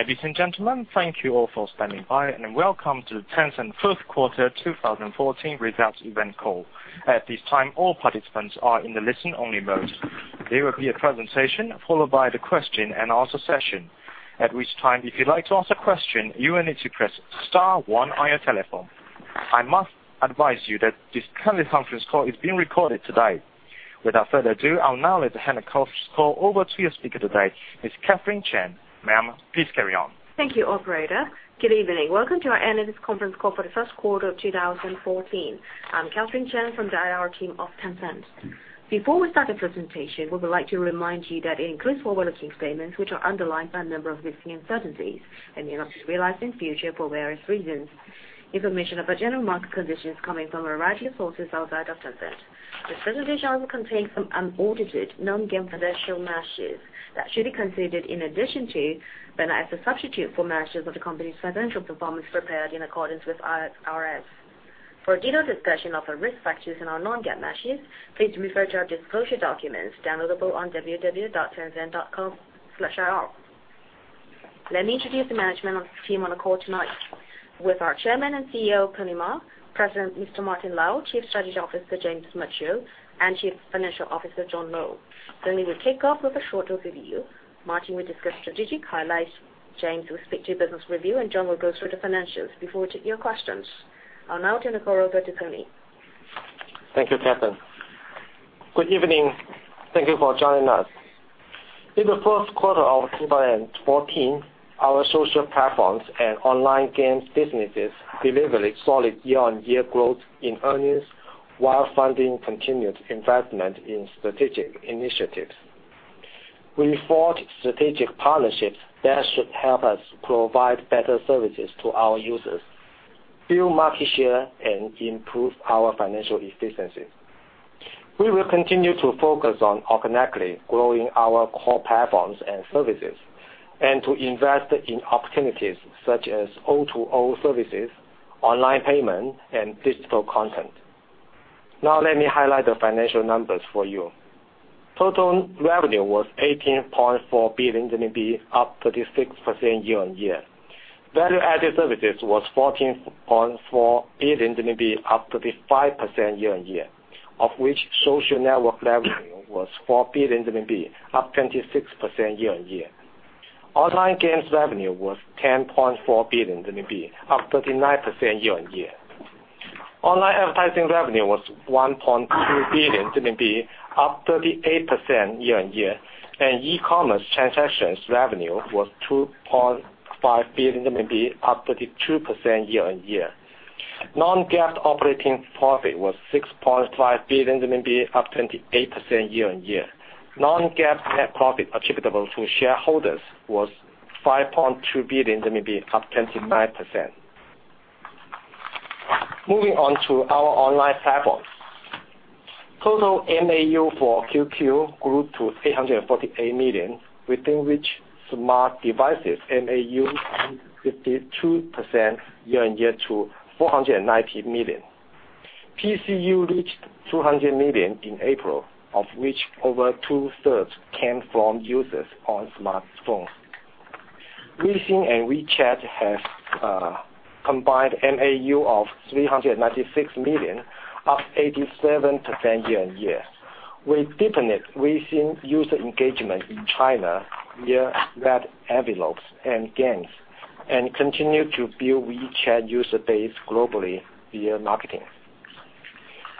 Ladies and gentlemen, thank you all for standing by, and welcome to the Tencent first quarter 2014 results event call. At this time, all participants are in the listen-only mode. There will be a presentation followed by the question and answer session, at which time, if you'd like to ask a question, you will need to press star one on your telephone. I must advise you that this teleconference call is being recorded today. Without further ado, I will now hand the conference call over to your speaker today, Ms. Catherine Chan. Ma'am, please carry on. Thank you, operator. Good evening. Welcome to our annual conference call for the first quarter of 2014. I am Catherine Chan from the IR team of Tencent. Before we start the presentation, we would like to remind you that it includes forward-looking statements, which are underlined by a number of risks and uncertainties and may not be realized in future for various reasons. Information about general market conditions coming from a variety of sources outside of Tencent. This presentation will contain some unaudited non-GAAP financial measures that should be considered in addition to, but not as a substitute for, measures of the company's financial performance prepared in accordance with IFRS. For a detailed discussion of the risk factors in our non-GAAP measures, please refer to our disclosure documents downloadable on www.tencent.com/ir. Let me introduce the management team on the call tonight. With our Chairman and CEO, Pony Ma, President, Mr. Martin Lau, Chief Strategy Officer, James Mitchell, and Chief Financial Officer, John Lo. We will kick off with a short overview. Martin will discuss strategic highlights. James will speak to business review. John will go through the financials before we take your questions. I'll now turn the call over to Pony. Thank you, Catherine. Good evening. Thank you for joining us. In the first quarter of 2014, our social platforms and online games businesses delivered solid year-on-year growth in earnings while funding continued investment in strategic initiatives. We forged strategic partnerships that should help us provide better services to our users, build market share, and improve our financial efficiencies. We will continue to focus on organically growing our core platforms and services and to invest in opportunities such as O2O services, online payment, and digital content. Let me highlight the financial numbers for you. Total revenue was 18.4 billion RMB, up 36% year-on-year. Value-added services were 14.4 billion RMB, up 35% year-on-year, of which social network revenue was 4 billion RMB, up 26% year-on-year. Online games revenue was 10.4 billion RMB, up 39% year-on-year. Online advertising revenue was 1.2 billion RMB, up 38% year-on-year, and e-commerce transactions revenue was 2.5 billion, up 32% year-on-year. Non-GAAP operating profit was 6.5 billion RMB, up 28% year-on-year. Non-GAAP net profit attributable to shareholders was 5.2 billion, up 29%. Moving on to our online platforms. Total MAU for QQ grew to 848 million, within which smart devices MAU increased 52% year-on-year to 490 million. PCU reached 200 million in April, of which over two-thirds came from users on smartphones. Weixin and WeChat have a combined MAU of 396 million, up 87% year-on-year. We deepened Weixin user engagement in China via Red Envelopes and games, and continued to build WeChat user base globally via marketing.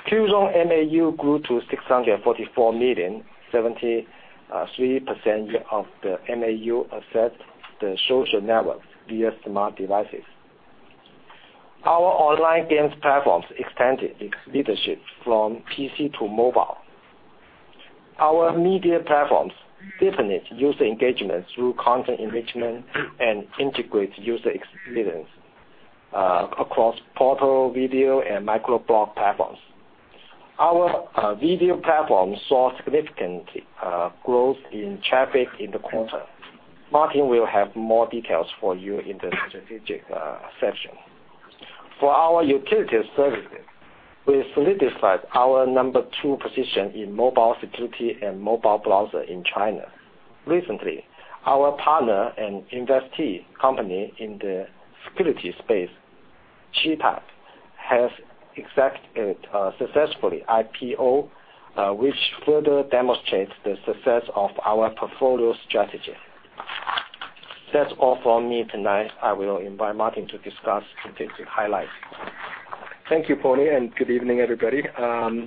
QQ's MAU grew to 644 million, 73% of the MAU accessed the social network via smart devices. Our online games platforms expanded its leadership from PC to mobile. Our media platforms deepened user engagement through content enrichment and integrates user experience across portal, video, and microblog platforms. Our video platform saw significant growth in traffic in the quarter. Martin will have more details for you in the strategic session. For our utilities services, we solidified our number 2 position in mobile security and mobile browser in China. Recently, our partner and investee company in the security space, Cheetah, has executed successfully IPO, which further demonstrates the success of our portfolio strategy. That's all from me tonight. I will invite Martin to discuss strategic highlights. Thank you, Pony, good evening, everybody.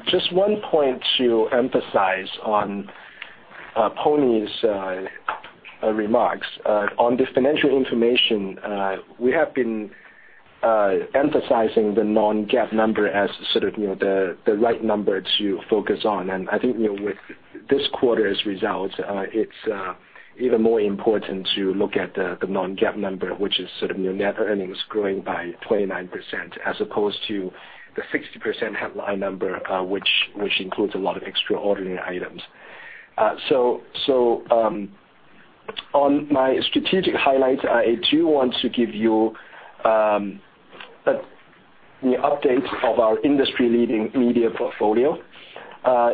Just one point to emphasize on Pony's remarks. On the financial information, we have been emphasizing the non-GAAP number as sort of the right number to focus on. I think with this quarter's results, it's even more important to look at the non-GAAP number, which is sort of your net earnings growing by 29%, as opposed to the 60% headline number, which includes a lot of extraordinary items. On my strategic highlights, I do want to give you the updates of our industry-leading media portfolio.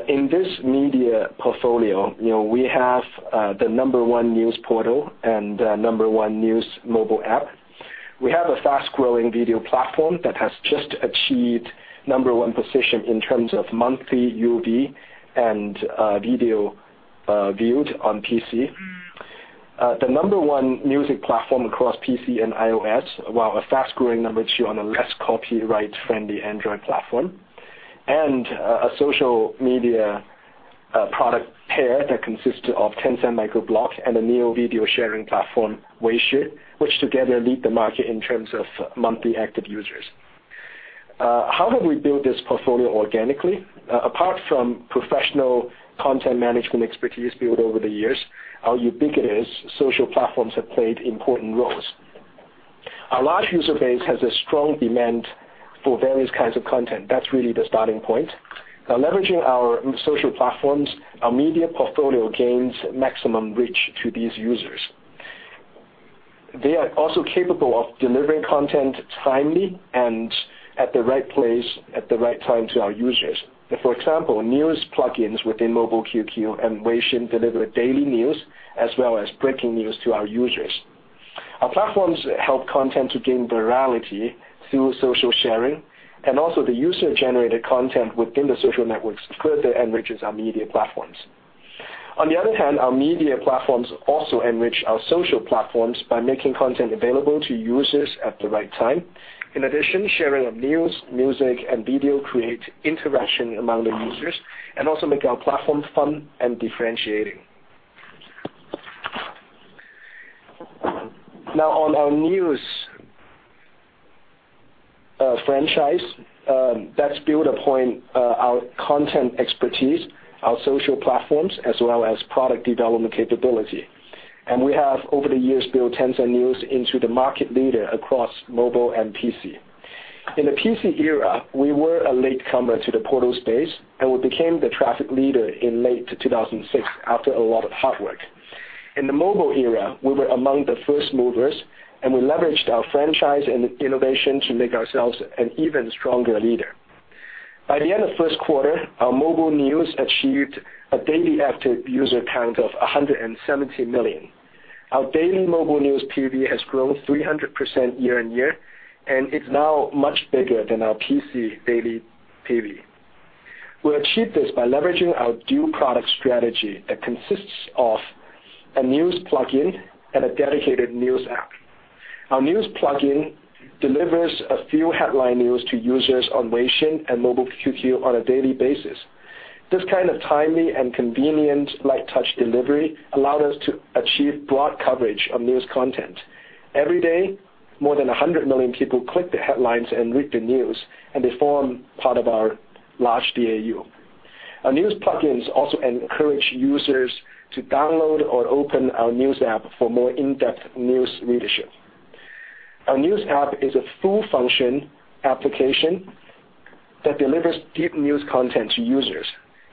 In this media portfolio, we have the number 1 news portal and number 1 news mobile app. We have a fast-growing video platform that has just achieved number 1 position in terms of monthly UV and video viewed on PC. The number 1 music platform across PC and iOS, while a fast-growing number 2 on a less copyright-friendly Android platform, and a social media product pair that consists of Tencent Weibo and a new video-sharing platform, Weixin, which together lead the market in terms of monthly active users. How have we built this portfolio organically? Apart from professional content management expertise built over the years, our ubiquitous social platforms have played important roles. Our large user base has a strong demand for various kinds of content. That's really the starting point. Now leveraging our social platforms, our media portfolio gains maximum reach to these users. They are also capable of delivering content timely and at the right place at the right time to our users. For example, news plugins within Mobile QQ and Weixin deliver daily news, as well as breaking news to our users. Our platforms help content to gain virality through social sharing, and also the user-generated content within the social networks further enriches our media platforms. On the other hand, our media platforms also enrich our social platforms by making content available to users at the right time. In addition, sharing of news, music, and video creates interaction among the users, and also make our platform fun and differentiating. Now on our news franchise, that's built upon our content expertise, our social platforms, as well as product development capability. We have, over the years, built Tencent News into the market leader across mobile and PC. In the PC era, we were a latecomer to the portal space, and we became the traffic leader in late 2006 after a lot of hard work. In the mobile era, we were among the first movers, we leveraged our franchise and innovation to make ourselves an even stronger leader. By the end of the first quarter, our mobile news achieved a daily active user count of 170 million. Our daily mobile news PV has grown 300% year-on-year, and it's now much bigger than our PC daily PV. We achieved this by leveraging our dual product strategy that consists of a news plugin and a dedicated news app. Our news plugin delivers a few headline news to users on Weixin and Mobile QQ on a daily basis. This kind of timely and convenient light touch delivery allowed us to achieve broad coverage of news content. Every day, more than 100 million people click the headlines and read the news, and they form part of our large DAU. Our news plugins also encourage users to download or open our news app for more in-depth news readership. Our news app is a full-function application that delivers deep news content to users.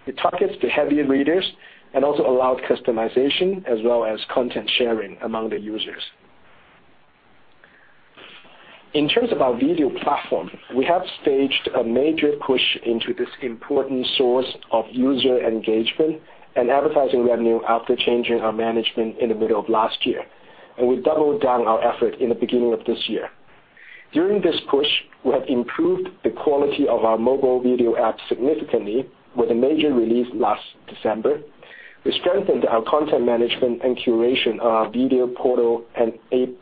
It targets the heavier readers and also allows customization as well as content sharing among the users. In terms of our video platform, we have staged a major push into this important source of user engagement and advertising revenue after changing our management in the middle of last year. We've doubled down our effort in the beginning of this year. During this push, we have improved the quality of our mobile video app significantly with a major release last December. We strengthened our content management and curation of our video portal and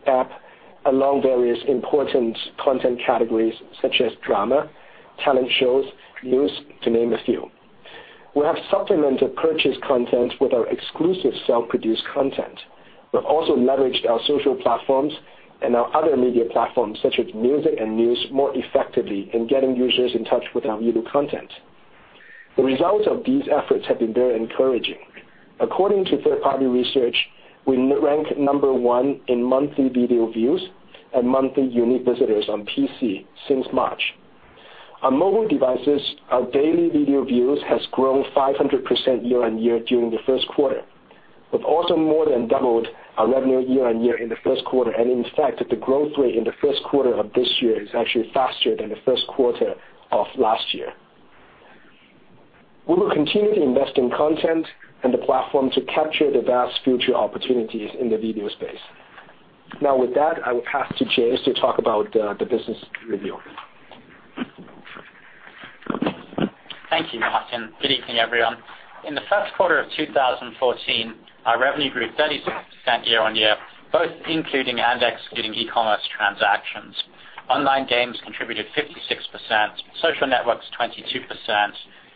app along various important content categories such as drama, talent shows, news to name a few. We have supplemented purchased content with our exclusive self-produced content. We've also leveraged our social platforms and our other media platforms such as music and news more effectively in getting users in touch with our video content. The results of these efforts have been very encouraging. According to third-party research, we rank number one in monthly video views and monthly unique visitors on PC since March. On mobile devices, our daily video views has grown 500% year-on-year during the first quarter. We've also more than doubled our revenue year-on-year in the first quarter. In fact, the growth rate in the first quarter of this year is actually faster than the first quarter of last year. We will continue to invest in content and the platform to capture the vast future opportunities in the video space. Now, with that, I will pass to James to talk about the business review. Thank you, Martin. Good evening, everyone. In the first quarter of 2014, our revenue grew 36% year-on-year, both including and excluding e-commerce transactions. Online games contributed 56%, social networks 22%,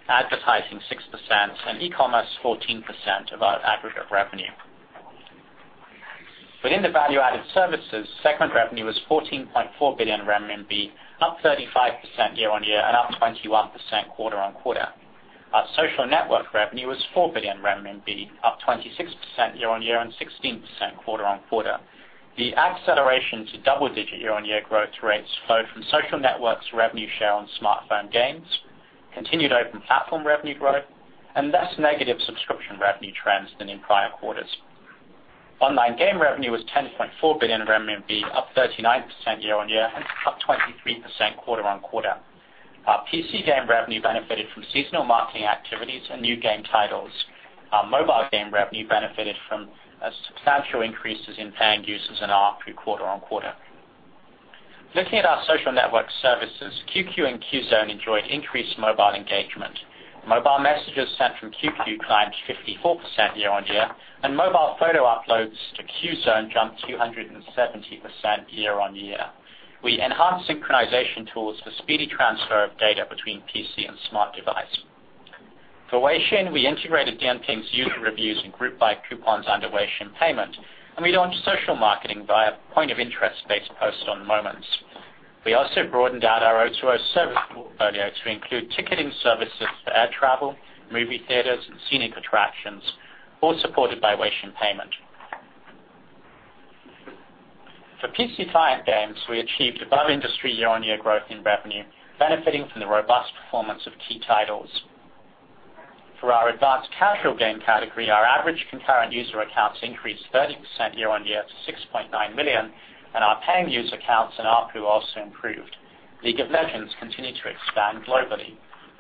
advertising 6%, and e-commerce 14% of our aggregate revenue. Within the value-added services, segment revenue was 14.4 billion RMB, up 35% year-on-year and up 21% quarter-on-quarter. Our social network revenue was 4 billion RMB, up 26% year-on-year and 16% quarter-on-quarter. The acceleration to double-digit year-on-year growth rates flowed from social networks revenue share on smartphone games, continued open platform revenue growth, and less negative subscription revenue trends than in prior quarters. Online game revenue was 10.4 billion RMB, up 39% year-on-year and up 23% quarter-on-quarter. Our PC game revenue benefited from seasonal marketing activities and new game titles. Our mobile game revenue benefited from substantial increases in paying users and ARPU quarter-on-quarter. Looking at our social network services, QQ and Qzone enjoyed increased mobile engagement. Mobile messages sent from QQ climbed 54% year-on-year, and mobile photo uploads to Qzone jumped 270% year-on-year. We enhanced synchronization tools for speedy transfer of data between PC and smart device. For Weixin, we integrated Dianping's user reviews and Group Buy coupons under Weixin Payment, and we launched social marketing via point-of-interest based posts on Moments. We also broadened out our O2O service portfolio to include ticketing services for air travel, movie theaters, and scenic attractions, all supported by Weixin Payment. For PC client games, we achieved above-industry year-on-year growth in revenue, benefiting from the robust performance of key titles. For our advanced casual game category, our average concurrent user accounts increased 30% year-on-year to 6.9 million, and our paying user accounts and ARPU also improved. League of Legends continued to expand globally.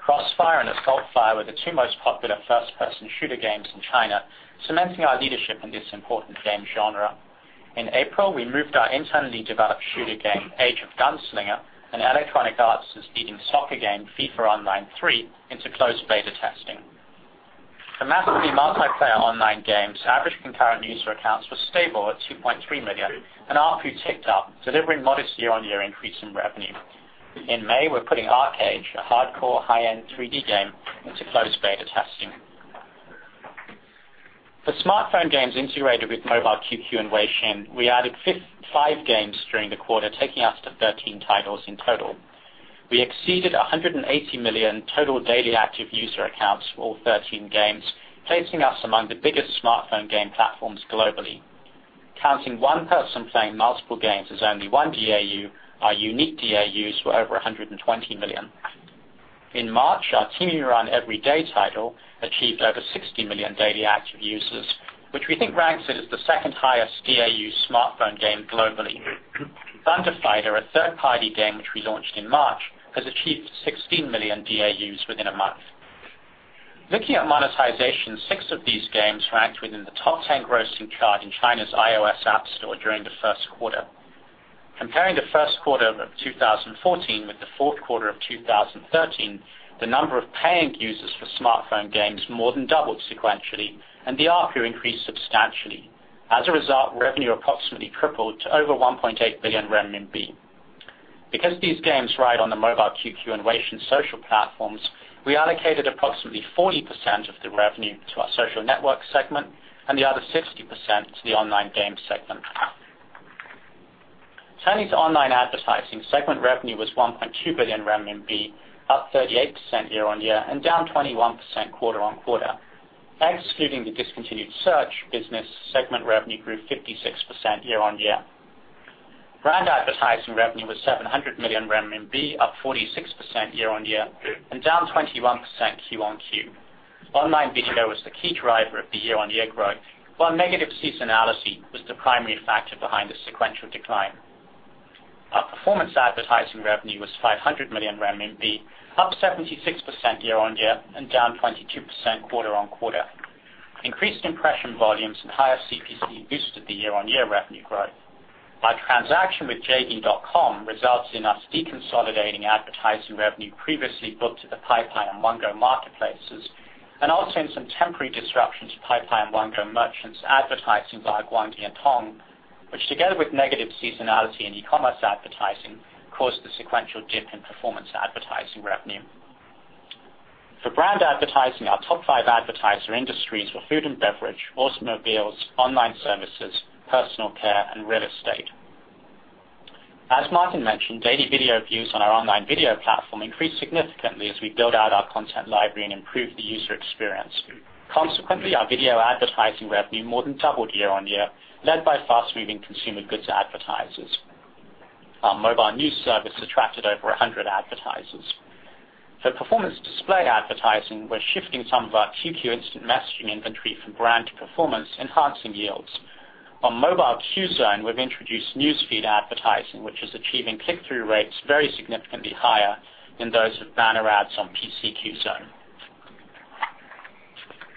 CrossFire and Assault Fire were the two most popular first-person shooter games in China, cementing our leadership in this important game genre. In April, we moved our internally developed shooter game, Age of Gunslingers Online, and Electronic Arts' leading soccer game, FIFA Online 3, into closed beta testing. For massively multiplayer online games, average concurrent user accounts were stable at 2.3 million, and ARPU ticked up, delivering modest year-on-year increase in revenue. In May, we're putting ArcheAge, a hardcore high-end 3D game, into closed beta testing. For smartphone games integrated with Mobile QQ and Weixin, we added 55 games during the quarter, taking us to 13 titles in total. We exceeded 180 million total daily active user accounts for all 13 games, placing us among the biggest smartphone game platforms globally. Counting one person playing multiple games as only one DAU, our unique DAUs were over 120 million. In March, our Tiny Run Everyday title achieved over 60 million daily active users, which we think ranks it as the second highest DAU smartphone game globally. Thunder Fighter, a third-party game which we launched in March, has achieved 16 million DAUs within a month. Looking at monetization, six of these games ranked within the top 10 grossing chart in China's iOS App Store during the first quarter. Comparing the first quarter of 2014 with the fourth quarter of 2013, the number of paying users for smartphone games more than doubled sequentially, and the ARPU increased substantially. As a result, revenue approximately tripled to over 1.8 billion renminbi. Because these games ride on the Mobile QQ and Weixin social platforms, we allocated approximately 40% of the revenue to our social network segment and the other 60% to the online game segment. Turning to online advertising, segment revenue was 1.2 billion RMB, up 38% year-on-year and down 21% quarter-on-quarter. Excluding the discontinued search business, segment revenue grew 56% year-on-year. Brand advertising revenue was 700 million renminbi, up 46% year-on-year and down 21% Q-on-Q. Online video was the key driver of the year-on-year growth, while negative seasonality was the primary factor behind the sequential decline. Our performance advertising revenue was 500 million renminbi, up 76% year-on-year and down 22% quarter-on-quarter. Increased impression volumes and higher CPC boosted the year-on-year revenue growth. Our transaction with JD.com results in us deconsolidating advertising revenue previously booked at the PaiPai and Wanggou marketplaces, and also in some temporary disruptions to PaiPai and Wanggou merchants advertising via Guang Dian Tong, which together with negative seasonality in e-commerce advertising, caused the sequential dip in performance advertising revenue. For brand advertising, our top five advertiser industries were food and beverage, automobiles, online services, personal care, and real estate. As Martin mentioned, daily video views on our online video platform increased significantly as we build out our content library and improve the user experience. Consequently, our video advertising revenue more than doubled year-on-year, led by fast-moving consumer goods advertisers. Our mobile news service attracted over 100 advertisers. For performance display advertising, we're shifting some of our QQ instant messaging inventory from brand to performance, enhancing yields. On mobile Qzone, we've introduced news feed advertising, which is achieving click-through rates very significantly higher than those of banner ads on PC Qzone.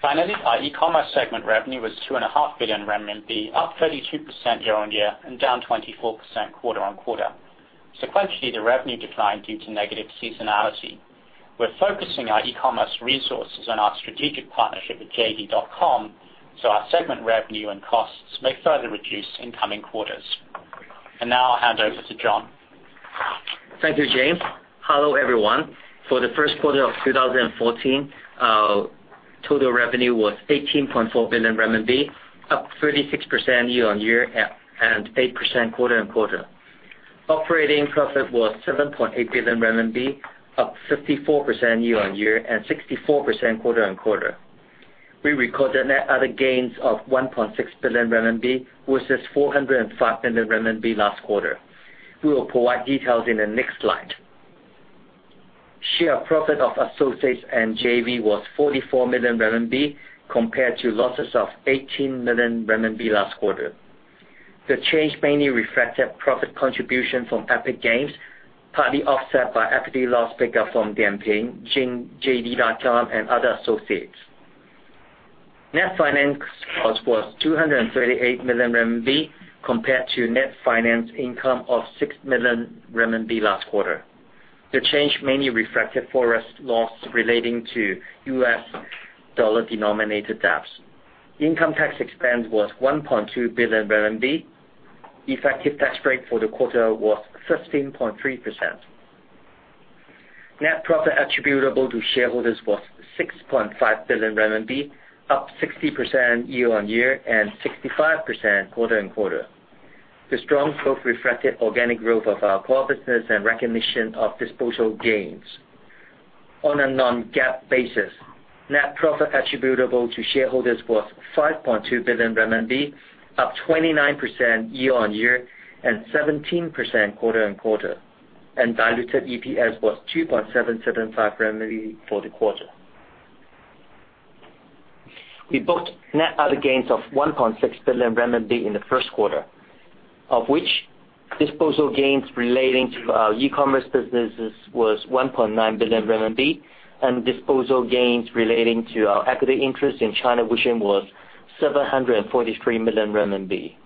Finally, our e-commerce segment revenue was 2.5 billion renminbi, up 32% year-on-year and down 24% quarter-on-quarter. Sequentially, the revenue declined due to negative seasonality. We're focusing our e-commerce resources on our strategic partnership with JD.com, so our segment revenue and costs may further reduce in coming quarters. Now I'll hand over to John. Thank you, James. Hello, everyone. For the first quarter of 2014, our total revenue was 18.4 billion RMB, up 36% year-on-year and 8% quarter-on-quarter. Operating profit was 7.8 billion RMB, up 54% year-on-year and 64% quarter-on-quarter. We recorded net other gains of 1.6 billion RMB, versus 405 million RMB last quarter. We will provide details in the next slide. Share profit of associates and JV was 44 million RMB compared to losses of 18 million RMB last quarter. The change mainly reflected profit contribution from Epic Games, partly offset by equity loss pickup from Dianping, JD.com and other associates. Net finance cost was 238 million RMB compared to net finance income of 6 million RMB last quarter. The change mainly reflected foreign loss relating to US dollar-denominated debts. Income tax expense was 1.2 billion RMB. Effective tax rate for the quarter was 15.3%. Net profit attributable to shareholders was 6.5 billion RMB, up 60% year-on-year and 65% quarter-on-quarter. The strong growth reflected organic growth of our core business and recognition of disposal gains. On a non-GAAP basis, net profit attributable to shareholders was 5.2 billion RMB, up 29% year-on-year and 17% quarter-on-quarter, and diluted EPS was 2.775 for the quarter. We booked net other gains of 1.6 billion renminbi in the first quarter, of which disposal gains relating to our e-commerce businesses was 1.9 billion RMB and disposal gains relating to our equity interest in ChinaVision was 743 million RMB.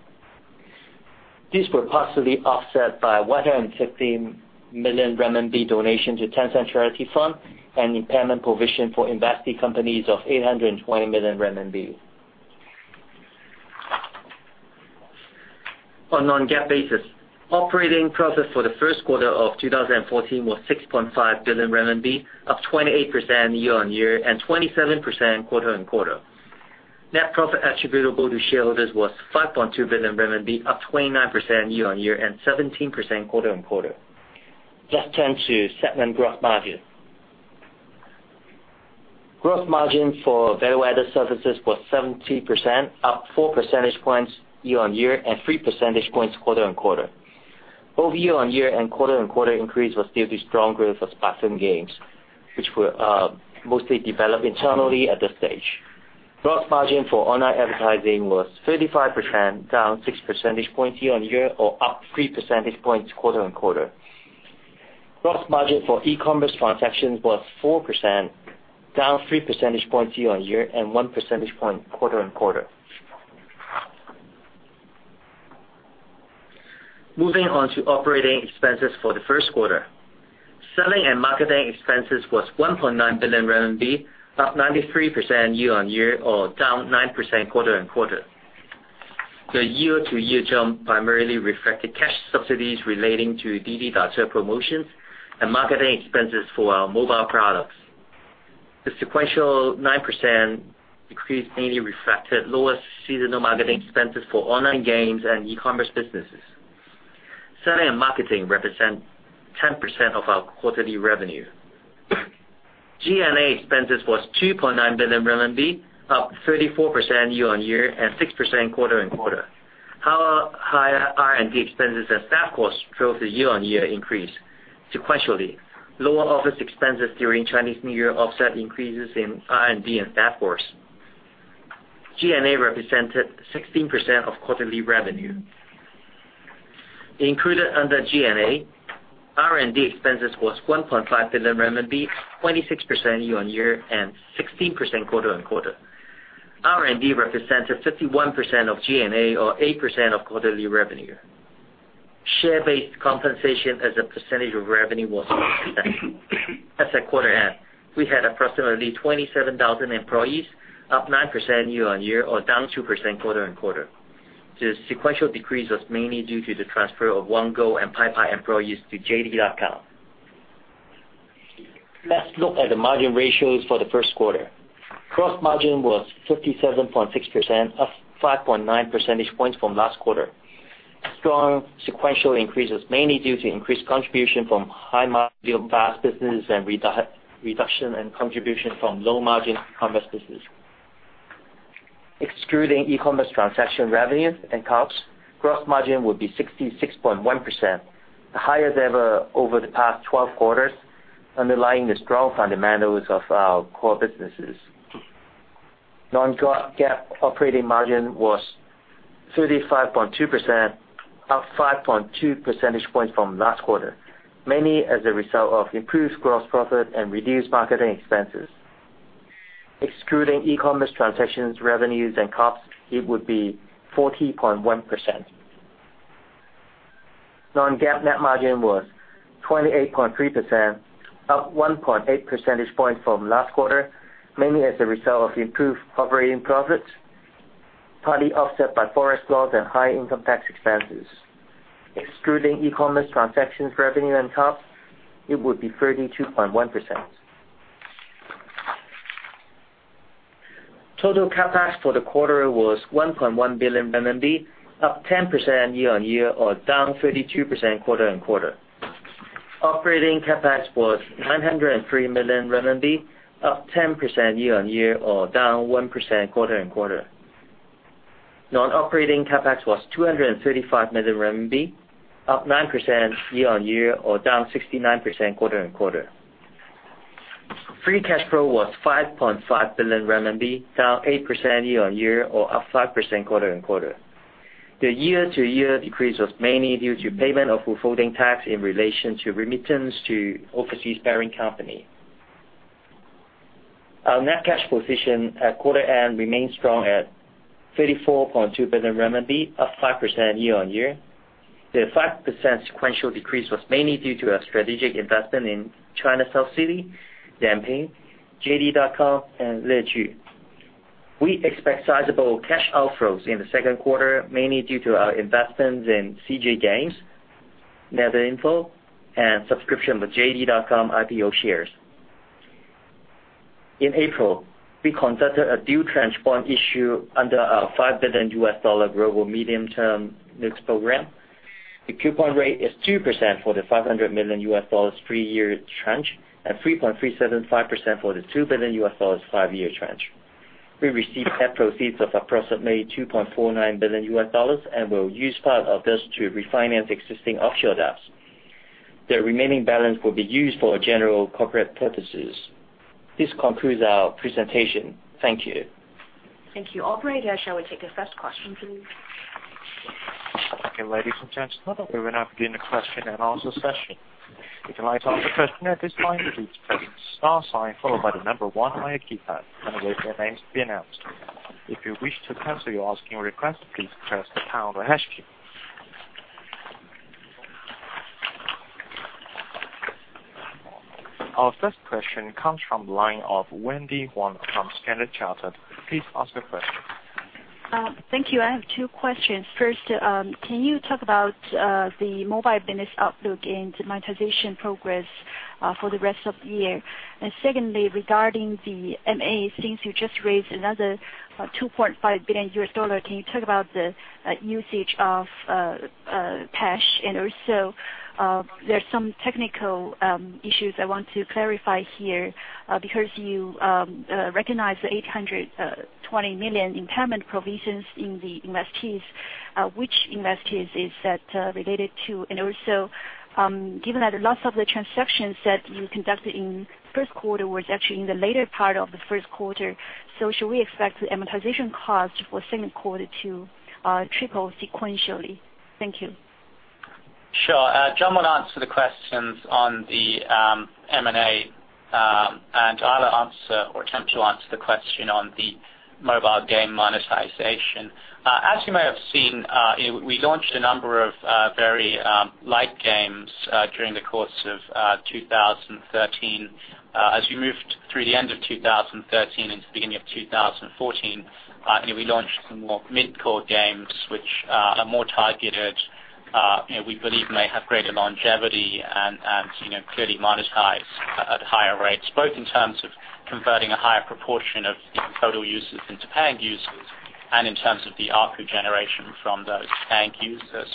These were partially offset by 115 million RMB donation to Tencent Charity Foundation and impairment provision for investee companies of 820 million RMB. On non-GAAP basis, operating profit for the first quarter of 2014 was 6.5 billion RMB, up 28% year-on-year and 27% quarter-on-quarter. Net profit attributable to shareholders was 5.2 billion RMB, up 29% year-on-year and 17% quarter-on-quarter. Let's turn to segment gross margin. Gross margin for value-added services was 70%, up four percentage points year-on-year and three percentage points quarter-on-quarter. Both year-on-year and quarter-on-quarter increase was due to strong growth of platform games, which were mostly developed internally at this stage. Gross margin for online advertising was 35%, down six percentage points year-on-year or up three percentage points quarter-on-quarter. Gross margin for e-commerce transactions was 4%, down three percentage points year-on-year and one percentage point quarter-on-quarter. Moving on to operating expenses for the first quarter. Selling and marketing expenses was 1.9 billion RMB, up 93% year-on-year or down 9% quarter-on-quarter. The year-to-year jump primarily reflected cash subsidies relating to Didi Dache promotions and marketing expenses for our mobile products. The sequential 9% decrease mainly reflected lower seasonal marketing expenses for online games and e-commerce businesses. Selling and marketing represent 10% of our quarterly revenue. G&A expenses was 2.9 billion RMB, up 34% year-on-year and 6% quarter-on-quarter. However, higher R&D expenses and staff costs drove the year-on-year increase sequentially. Lower office expenses during Chinese New Year offset increases in R&D and staff costs. G&A represented 16% of quarterly revenue. Included under G&A, R&D expenses was 1.5 billion RMB, 26% year-on-year and 16% quarter-on-quarter. R&D represented 51% of G&A or 8% of quarterly revenue. Share-based compensation as a percentage of revenue was 6%. As at quarter end, we had approximately 27,000 employees, up 9% year-on-year or down 2% quarter-on-quarter. The sequential decrease was mainly due to the transfer of Wanggou and PaiPai employees to JD.com. Let's look at the margin ratios for the first quarter. Gross margin was 57.6%, up 5.9 percentage points from last quarter. Strong sequential increase is mainly due to increased contribution from high margin VAS business and reduction in contribution from low margin e-commerce business. Excluding e-commerce transaction revenues and costs, gross margin would be 66.1%, the highest ever over the past 12 quarters, underlying the strong fundamentals of our core businesses. Non-GAAP operating margin was 35.2%, up 5.2 percentage points from last quarter, mainly as a result of improved gross profit and reduced marketing expenses. Excluding e-commerce transactions, revenues, and costs, it would be 40.1%. Non-GAAP net margin was 28.3%, up 1.8 percentage points from last quarter, mainly as a result of improved operating profits, partly offset by foreign loss and high income tax expenses. Excluding e-commerce transactions, revenue, and costs, it would be 32.1%. Total CapEx for the quarter was 1.1 billion RMB, up 10% year-on-year or down 32% quarter-on-quarter. Operating CapEx was 903 million renminbi, up 10% year-on-year or down 1% quarter-on-quarter. Non-operating CapEx was 235 million RMB, up 9% year-on-year or down 69% quarter-on-quarter. Free cash flow was 5.5 billion RMB, down 8% year-on-year or up 5% quarter-on-quarter. The year-to-year decrease was mainly due to payment of withholding tax in relation to remittance to overseas parent company. Our net cash position at quarter end remains strong at 34.2 billion RMB, up 5% year-on-year. The 5% sequential decrease was mainly due to a strategic investment in China South City, Dianping, JD.com, and Leju. We expect sizable cash outflows in the second quarter, mainly due to our investments in CJ Games, Navinfo, and subscription with JD.com IPO shares. In April, we conducted a dual tranche bond issue under our $5 billion global medium-term notes program. The coupon rate is 2% for the $500 million three-year tranche, and 3.375% for the $2 billion five-year tranche. We received net proceeds of approximately $2.49 billion and will use part of this to refinance existing offshore debts. The remaining balance will be used for general corporate purposes. This concludes our presentation. Thank you. Thank you. Operator, shall we take the first question, please? Okay, ladies and gentlemen, we will now begin the question-and-answer session. If you would like to ask a question at this time, please press the star sign followed by the number one on your keypad and wait for your name to be announced. If you wish to cancel your asking request, please press the pound or hash key. Our first question comes from the line of Wendy Huang from Standard Chartered. Please ask your question. Thank you. I have two questions. First, can you talk about the mobile business outlook and monetization progress for the rest of the year? Secondly, regarding the M&A, since you just raised another $2.5 billion, can you talk about the usage of cash? Also, there's some technical issues I want to clarify here, because you recognized the 820 million impairment provisions in the investees. Which investees is that related to? Also, given that a lot of the transactions that you conducted in first quarter was actually in the later part of the first quarter, should we expect the amortization cost for second quarter to triple sequentially? Thank you. Sure. John will answer the questions on the M&A, and I'll answer or attempt to answer the question on the mobile game monetization. As you may have seen, we launched a number of very light games during the course of 2013. As we moved through the end of 2013 into the beginning of 2014, we launched some more mid-core games, which are more targeted, we believe may have greater longevity and clearly monetize at higher rates, both in terms of converting a higher proportion of total users into paying users and in terms of the ARPU generation from those paying users.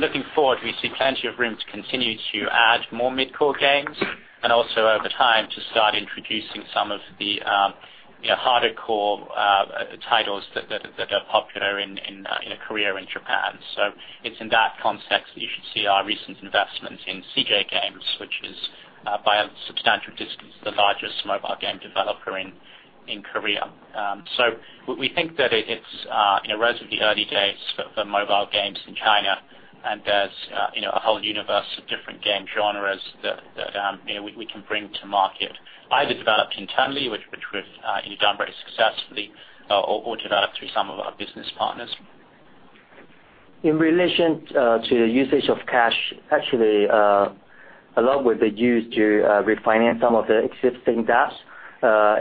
Looking forward, we see plenty of room to continue to add more mid-core games and also over time to start introducing some of the harder core titles that are popular in Korea or in Japan. It's in that context that you should see our recent investment in CJ Games, which is by a substantial distance, the largest mobile game developer in Korea. We think that it's relatively early days for mobile games in China, and there's a whole universe of different game genres that we can bring to market, either developed internally, which we've done very successfully, or developed through some of our business partners. In relation to usage of cash, actually, a lot will be used to refinance some of the existing debts.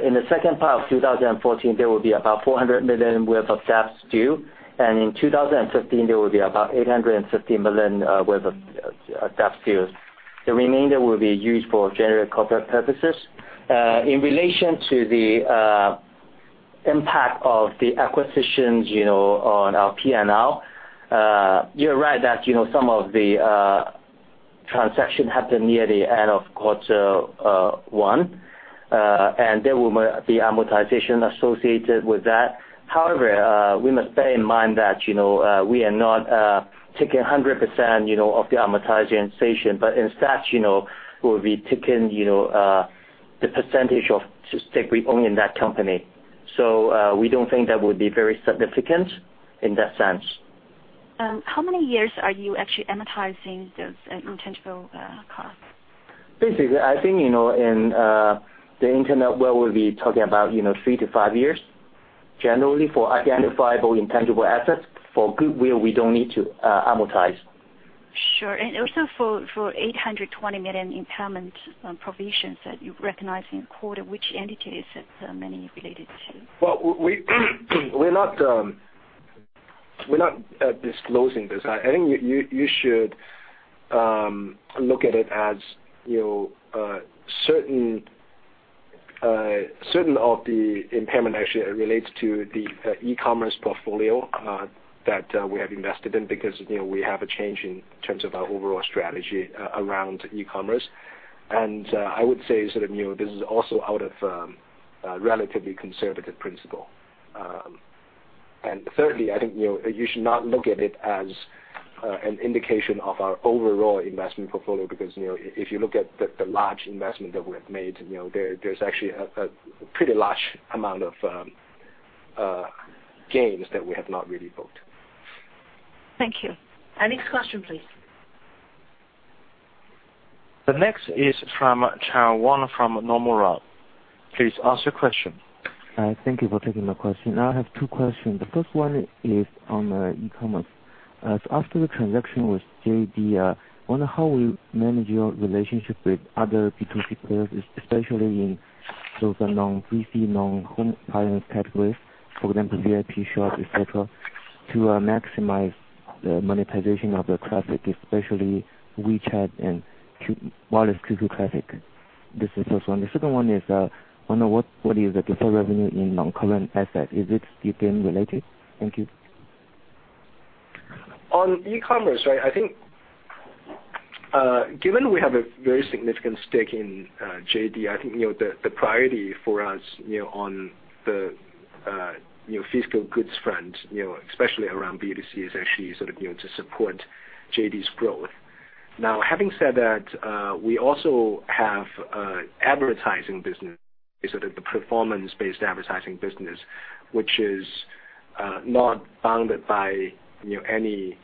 In the second part of 2014, there will be about 400 million worth of debts due, and in 2015, there will be about 850 million worth of debts due. The remainder will be used for general corporate purposes. In relation to the impact of the acquisitions on our P&L, you're right that some of the transaction happened near the end of quarter one, and there will be amortization associated with that. However, we must bear in mind that we are not taking 100% of the amortization, but instead, we'll be taking the percentage of stake we own in that company. We don't think that would be very significant in that sense. How many years are you actually amortizing those intangible costs? Basically, I think in the internet world, we'll be talking about 3 to 5 years. Generally, for identifiable intangible assets, for goodwill, we don't need to amortize. Sure. Also for 820 million impairment provisions that you recognized in quarter, which entities is that mainly related to? Well, we're not disclosing this. I think you should look at it as certain of the impairment actually relates to the e-commerce portfolio we have invested in because we have a change in terms of our overall strategy around e-commerce. I would say this is also out of a relatively conservative principle. Thirdly, I think you should not look at it as an indication of our overall investment portfolio, because if you look at the large investment that we have made, there's actually a pretty large amount of gains that we have not really booked. Thank you. Next question, please. The next is from Chao Wang from Nomura. Please ask your question. Thank you for taking my question. I have two questions. The first one is on e-commerce. After the transaction with JD, I wonder how you manage your relationship with other B2C players, especially in those non-PC, non-home finance categories, for example, Vipshop, et cetera, to maximize the monetization of the traffic, especially WeChat and wireless QQ traffic. This is the first one. The second one is, I wonder what is the deferred revenue in non-current assets? Is it game-related? Thank you. On e-commerce, I think, given we have a very significant stake in JD, I think, the priority for us on the physical goods front, especially around B2C, is actually to support JD's growth. Now, having said that, we also have advertising business, the performance-based advertising business, which is not bounded by any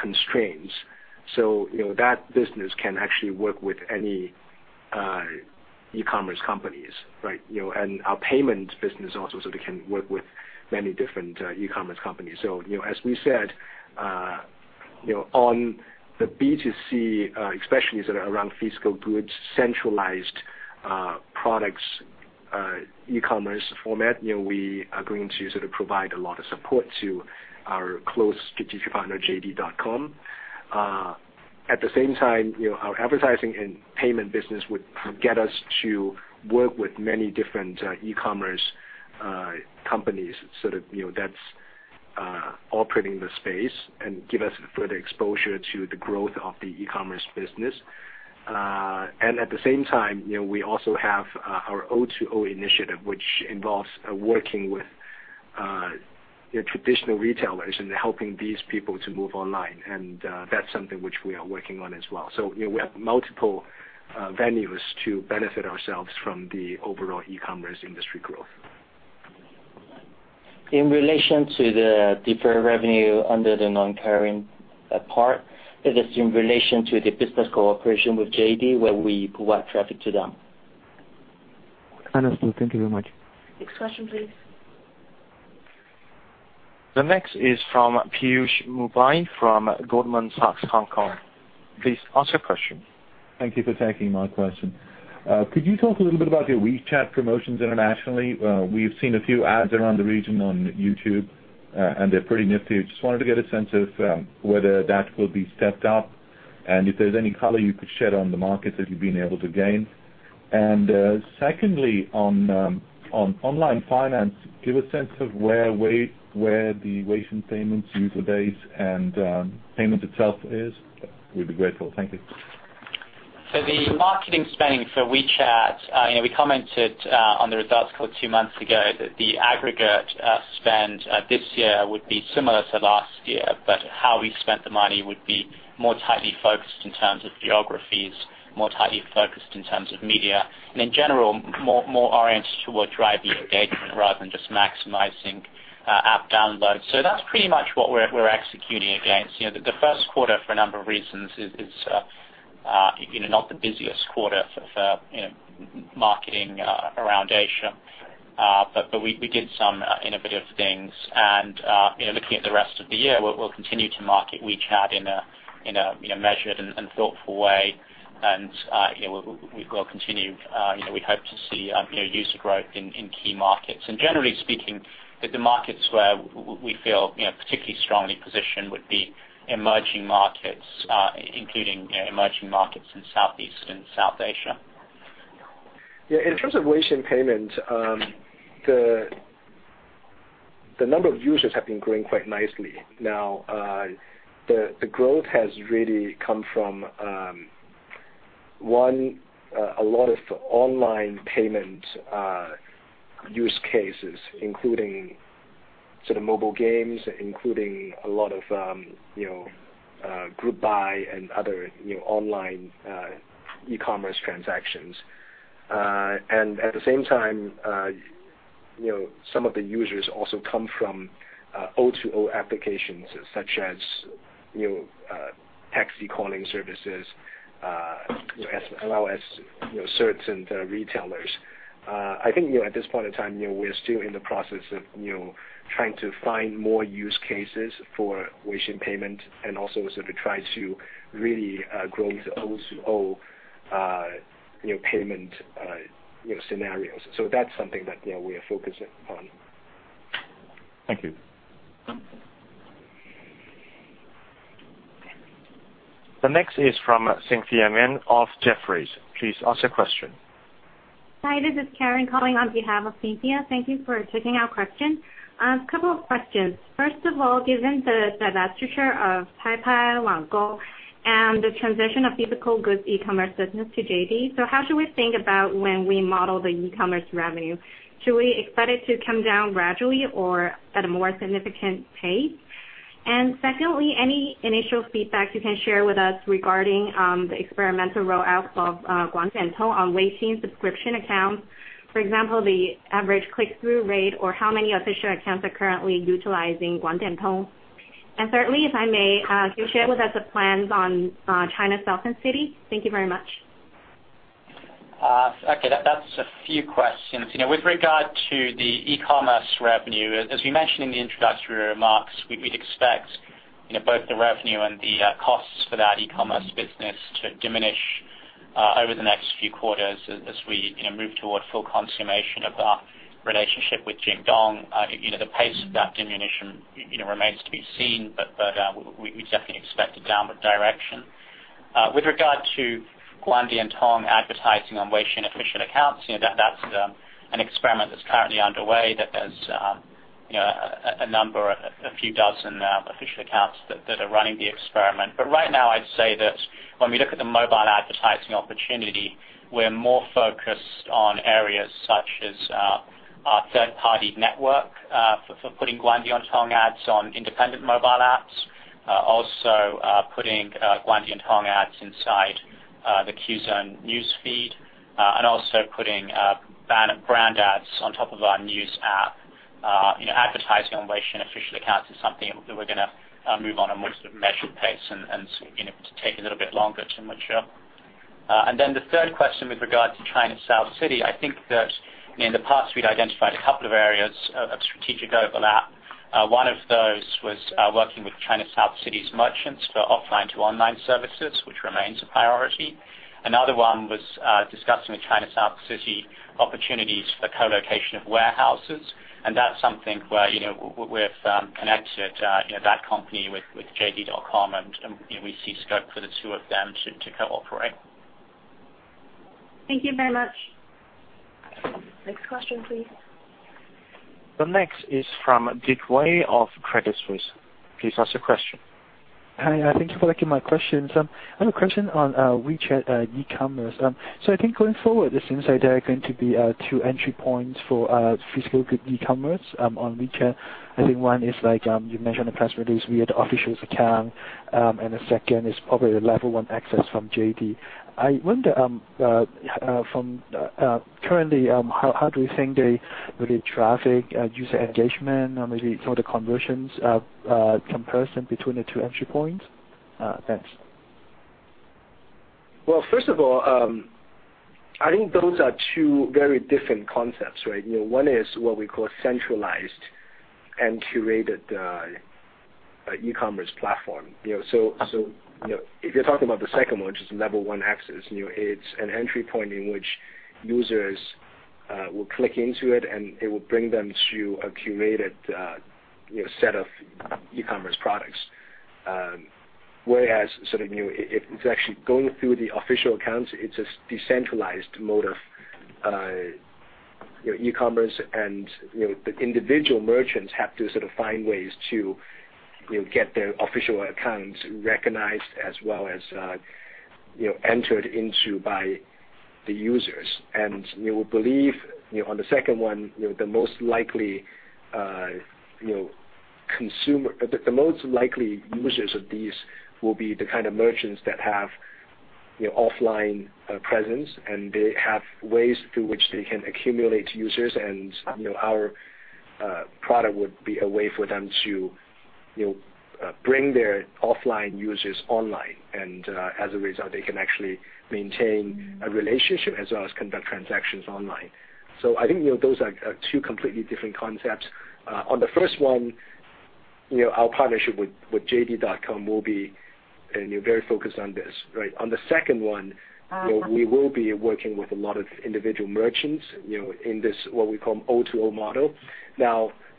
constraints. That business can actually work with any e-commerce companies. Our payments business also can work with many different e-commerce companies. As we said, on the B2C, especially around physical goods, centralized products, e-commerce format, we are going to provide a lot of support to our close strategic partner, JD.com. At the same time, our advertising and payment business would get us to work with many different e-commerce companies, so that's operating the space and give us further exposure to the growth of the e-commerce business. At the same time, we also have our O2O initiative, which involves working with traditional retailers and helping these people to move online. That's something which we are working on as well. We have multiple venues to benefit ourselves from the overall e-commerce industry growth. In relation to the deferred revenue under the non-current part, it is in relation to the business cooperation with JD, where we provide traffic to them. Understood. Thank you very much. Next question, please. The next is from Piyush Mubayi from Goldman Sachs Hong Kong. Please ask your question. Thank you for taking my question. Could you talk a little bit about your WeChat promotions internationally? We've seen a few ads around the region on YouTube, and they're pretty nifty. I just wanted to get a sense of whether that will be stepped up and if there's any color you could shed on the markets that you've been able to gain. Secondly, on online finance, give a sense of where the Weixin Payment user base and payment itself is. We'd be grateful. Thank you. The marketing spending for WeChat, we commented on the results call 2 months ago that the aggregate spend this year would be similar to last year, how we spent the money would be more tightly focused in terms of geographies, more tightly focused in terms of media, and in general, more oriented toward driving engagement rather than just maximizing app downloads. That's pretty much what we're executing against. The first quarter, for a number of reasons, is not the busiest quarter for marketing around Asia. We did some innovative things. Looking at the rest of the year, we'll continue to market WeChat in a measured and thoughtful way. We hope to see user growth in key markets. Generally speaking, the markets where we feel particularly strongly positioned would be emerging markets, including emerging markets in Southeast and South Asia. In terms of Weixin Payment, the number of users have been growing quite nicely. Now, the growth has really come from, one, a lot of online payment use cases, including mobile games, including a lot of Group Buy and other online e-commerce transactions. At the same time, some of the users also come from O2O applications, such as taxi-calling services, as well as certain retailers. I think at this point in time, we're still in the process of trying to find more use cases for Weixin Payment and also try to really grow the O2O payment scenarios. That's something that we are focusing on. Thank you. The next is from Cynthia Meng of Jefferies. Please ask your question. Hi, this is Karen calling on behalf of Cynthia. Thank you for taking our question. A couple of questions. First of all, given the divestiture of PaiPai Wanggou and the transition of physical goods e-commerce business to JD, how should we think about when we model the e-commerce revenue? Should we expect it to come down gradually or at a more significant pace? Secondly, any initial feedback you can share with us regarding the experimental rollout of Guang Dian Tong on Weixin subscription accounts? For example, the average click-through rate, or how many official accounts are currently utilizing Guang Dian Tong. Thirdly, if I may, can you share with us the plans on China South City? Thank you very much. Okay, that's a few questions. With regard to the e-commerce revenue, as we mentioned in the introductory remarks, we'd expect both the revenue and the costs for that e-commerce business to diminish over the next few quarters as we move toward full consummation of our relationship with Jingdong. The pace of that diminution remains to be seen, but we definitely expect a downward direction. With regard to Guang Dian Tong advertising on Weixin official accounts, that's an experiment that's currently underway, that there's a number, a few dozen official accounts that are running the experiment. Right now, I'd say that when we look at the mobile advertising opportunity, we're more focused on areas such as our third-party network, for putting Guang Dian Tong ads on independent mobile apps. Also putting Guang Dian Tong ads inside the Qzone news feed, and also putting brand ads on top of our news app. Advertising on Weixin official accounts is something that we're going to move on a more measured pace and to take a little bit longer to mature. The third question with regard to China South City, I think that in the past, we'd identified a couple of areas of strategic overlap. One of those was working with China South City's merchants for offline to online services, which remains a priority. Another one was discussing with China South City opportunities for co-location of warehouses, and that's something where we've connected that company with JD.com, and we see scope for the two of them to cooperate. Thank you very much. Next question, please. The next is from Dick Wei of Credit Suisse. Please ask your question. Hi, thank you for taking my questions. I have a question on WeChat e-commerce. I think going forward, it seems like there are going to be two entry points for physical good e-commerce on WeChat. I think one is like you mentioned the press release via the official accounts, and the second is probably the level 1 access from JD. I wonder, from currently, how do you think the traffic, user engagement, or maybe some of the conversions comparison between the two entry points? Thanks. First of all, I think those are two very different concepts, right? One is what we call centralized and curated e-commerce platform. If you're talking about the second one, which is level 1 access, it's an entry point in which users will click into it, and it will bring them to a curated set of e-commerce products. Whereas, it's actually going through the official accounts, it's a decentralized mode of e-commerce, and the individual merchants have to sort of find ways to get their official accounts recognized as well as entered into by the users. We believe, on the second one, the most likely users of these will be the kind of merchants that have offline presence, and they have ways through which they can accumulate users, and our product would be a way for them to bring their offline users online. As a result, they can actually maintain a relationship as well as conduct transactions online. I think those are two completely different concepts. On the first one, our partnership with JD.com will be very focused on this, right? On the second one, we will be working with a lot of individual merchants, in this what we call O2O model.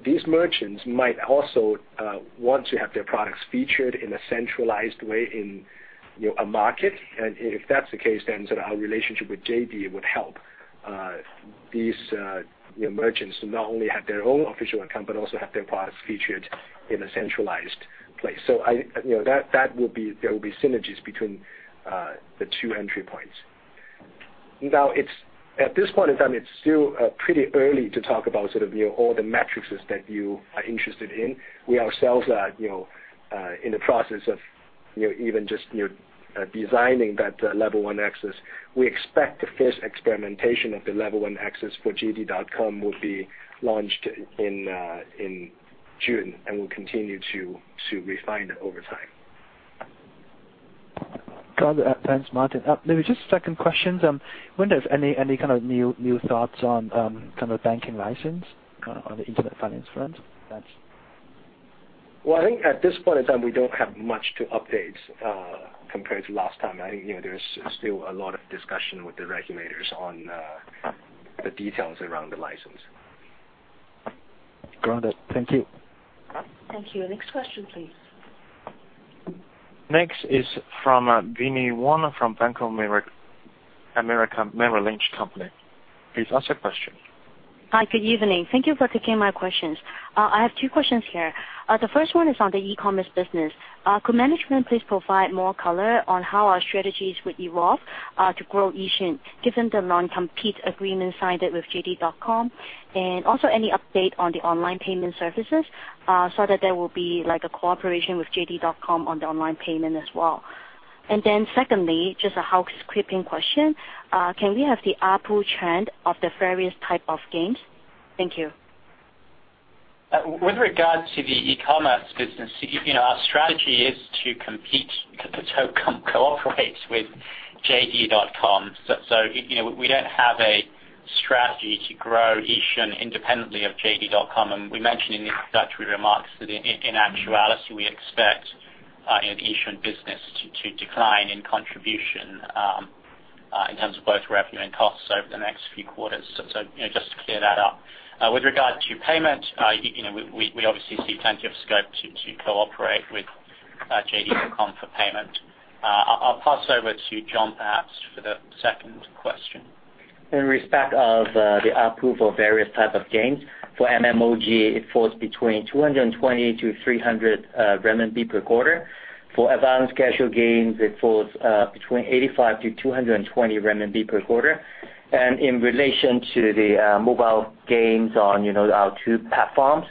These merchants might also want to have their products featured in a centralized way in a market. If that's the case, then sort of our relationship with JD would help these merchants to not only have their own official account, but also have their products featured in a centralized place. There will be synergies between the two entry points. At this point in time, it's still pretty early to talk about sort of all the metrics that you are interested in. We ourselves are in the process of even just designing that level 1 access. We expect the first experimentation of the level 1 access for JD.com will be launched in June, we'll continue to refine it over time. Got it. Thanks, Martin. Maybe just second question, wonder if any kind of new thoughts on kind of banking license on the internet finance front? Thanks. Well, I think at this point in time, we don't have much to update compared to last time. I think there's still a lot of discussion with the regulators on the details around the license. Got it. Thank you. Thank you. Next question, please. Next is from Binnie Wong from Bank of America Merrill Lynch. Please ask your question. Hi, good evening. Thank you for taking my questions. I have two questions here. The first one is on the e-commerce business. Could management please provide more color on how our strategies would evolve to grow Yixun, given the non-compete agreement signed with JD.com? Also any update on the online payment services, so that there will be a cooperation with JD.com on the online payment as well. Secondly, just a housekeeping question. Can we have the ARPU trend of the various type of games? Thank you. With regard to the e-commerce business, our strategy is to compete, to cooperate with JD.com. We don't have a strategy to grow Yixun independently of JD.com. We mentioned in the introductory remarks that in actuality, we expect the Yixun business to decline in contribution, in terms of both revenue and costs over the next few quarters. Just to clear that up. With regard to payment, we obviously see plenty of scope to cooperate with JD.com for payment. I'll pass over to John perhaps for the second question. In respect of the ARPU for various type of games, for MMOG, it falls between 220-300 renminbi per quarter. For advanced casual games, it falls between 85-220 renminbi per quarter. In relation to the mobile games on our two platforms,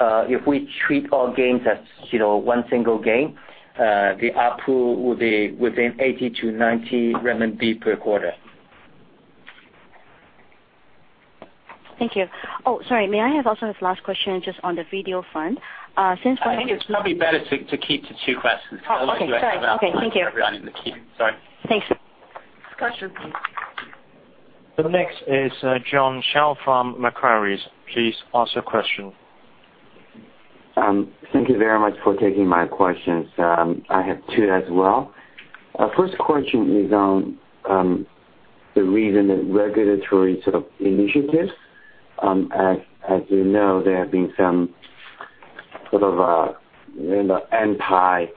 if we treat all games as one single game, the ARPU will be within 80-90 renminbi per quarter. Thank you. Oh, sorry. May I have also this last question just on the video front? I think it's probably better to keep to two questions. Okay. Sorry. Okay. Thank you. Sorry. Thanks. Next question, please. The next is Jiong Shao from Macquarie. Please ask your question. Thank you very much for taking my questions. I have two as well. First question is on the recent regulatory sort of initiatives. As you know, there have been some sort of anti-pornography,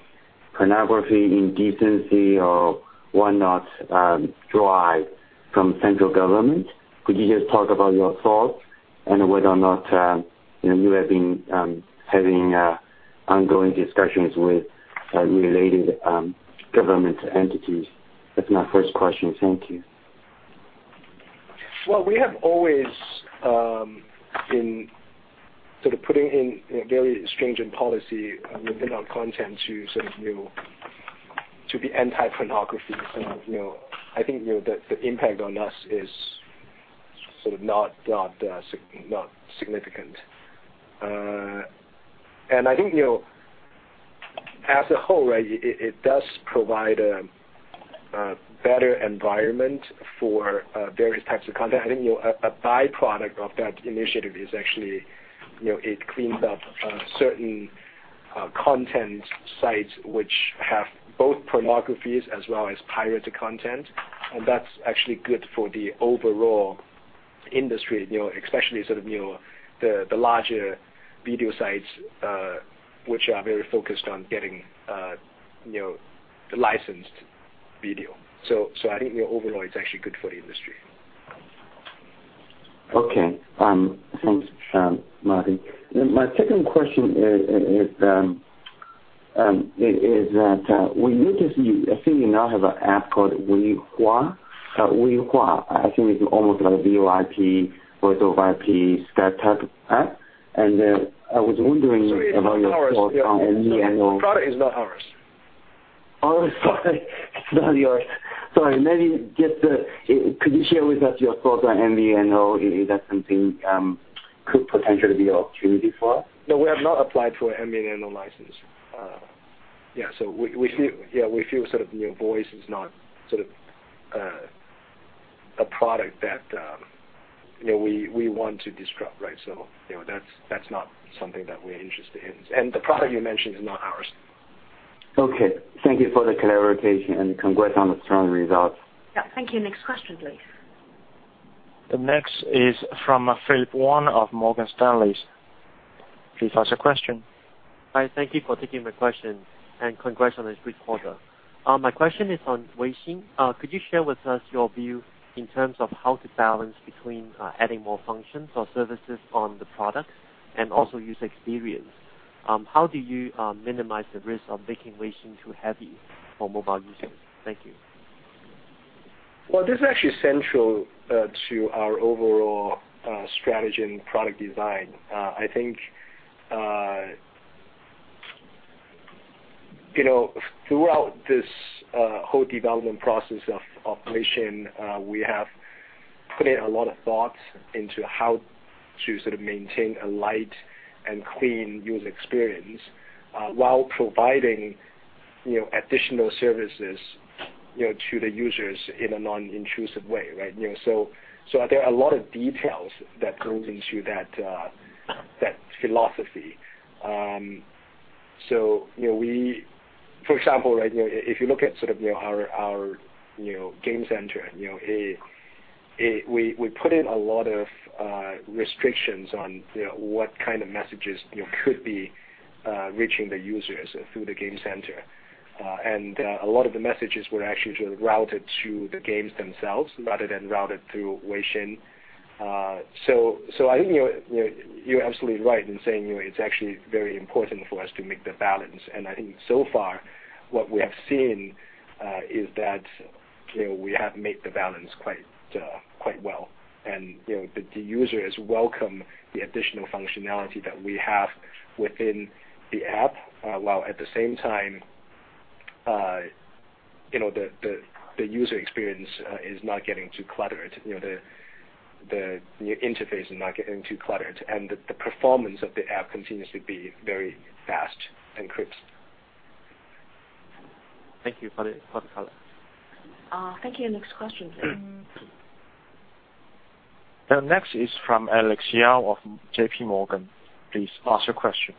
indecency or whatnot drive from central government. Could you just talk about your thoughts and whether or not you have been having ongoing discussions with related government entities? That's my first question. Thank you. Well, we have always been sort of putting in very stringent policy within our content to be anti-pornography. I think the impact on us is sort of not significant. I think as a whole, it does provide a better environment for various types of content. I think a byproduct of that initiative is actually, it cleans up certain content sites which have both pornographies as well as pirated content, and that's actually good for the overall industry, especially the larger video sites, which are very focused on getting licensed video. I think overall, it's actually good for the industry. Okay. Thanks, Martin. My second question is that we noticed you, I think you now have an app called Wehua. I think it's almost like a VoIP, Voice over IP type app. I was wondering about your thoughts on MVNO- Sorry, that is not ours. Oh, sorry. It's not yours. Sorry. Could you share with us your thoughts on MVNO? Is that something could potentially be an opportunity for us? No, we have not applied for MVNO license. Yeah, we feel voice is not a product that we want to disrupt. That's not something that we're interested in. The product you mentioned is not ours. Okay. Thank you for the clarification, and congrats on the strong results. Yeah, thank you. Next question, please. The next is from Philip Wan of Morgan Stanley. Please ask your question. Hi. Thank you for taking my question. Congrats on this great quarter. My question is on Weixin. Could you share with us your view in terms of how to balance between adding more functions or services on the products and also user experience? How do you minimize the risk of making Weixin too heavy for mobile users? Thank you. Well, this is actually central to our overall strategy and product design. I think throughout this whole development process of Weixin, we have put in a lot of thoughts into how to sort of maintain a light and clean user experience, while providing additional services to the users in a non-intrusive way, right? There are a lot of details that goes into that philosophy. For example, right, if you look at our game center, we put in a lot of restrictions on what kind of messages could be reaching the users through the game center. A lot of the messages were actually just routed to the games themselves rather than routed through Weixin. I think you're absolutely right in saying it's actually very important for us to make the balance. I think so far what we have seen is that we have made the balance quite well, and the users welcome the additional functionality that we have within the app, while at the same time, the user experience is not getting too cluttered, the interface is not getting too cluttered, and the performance of the app continues to be very fast and crisp. Thank you for the color. Thank you. Next question, sir. The next is from Alex Yao of J.P. Morgan. Please ask your question.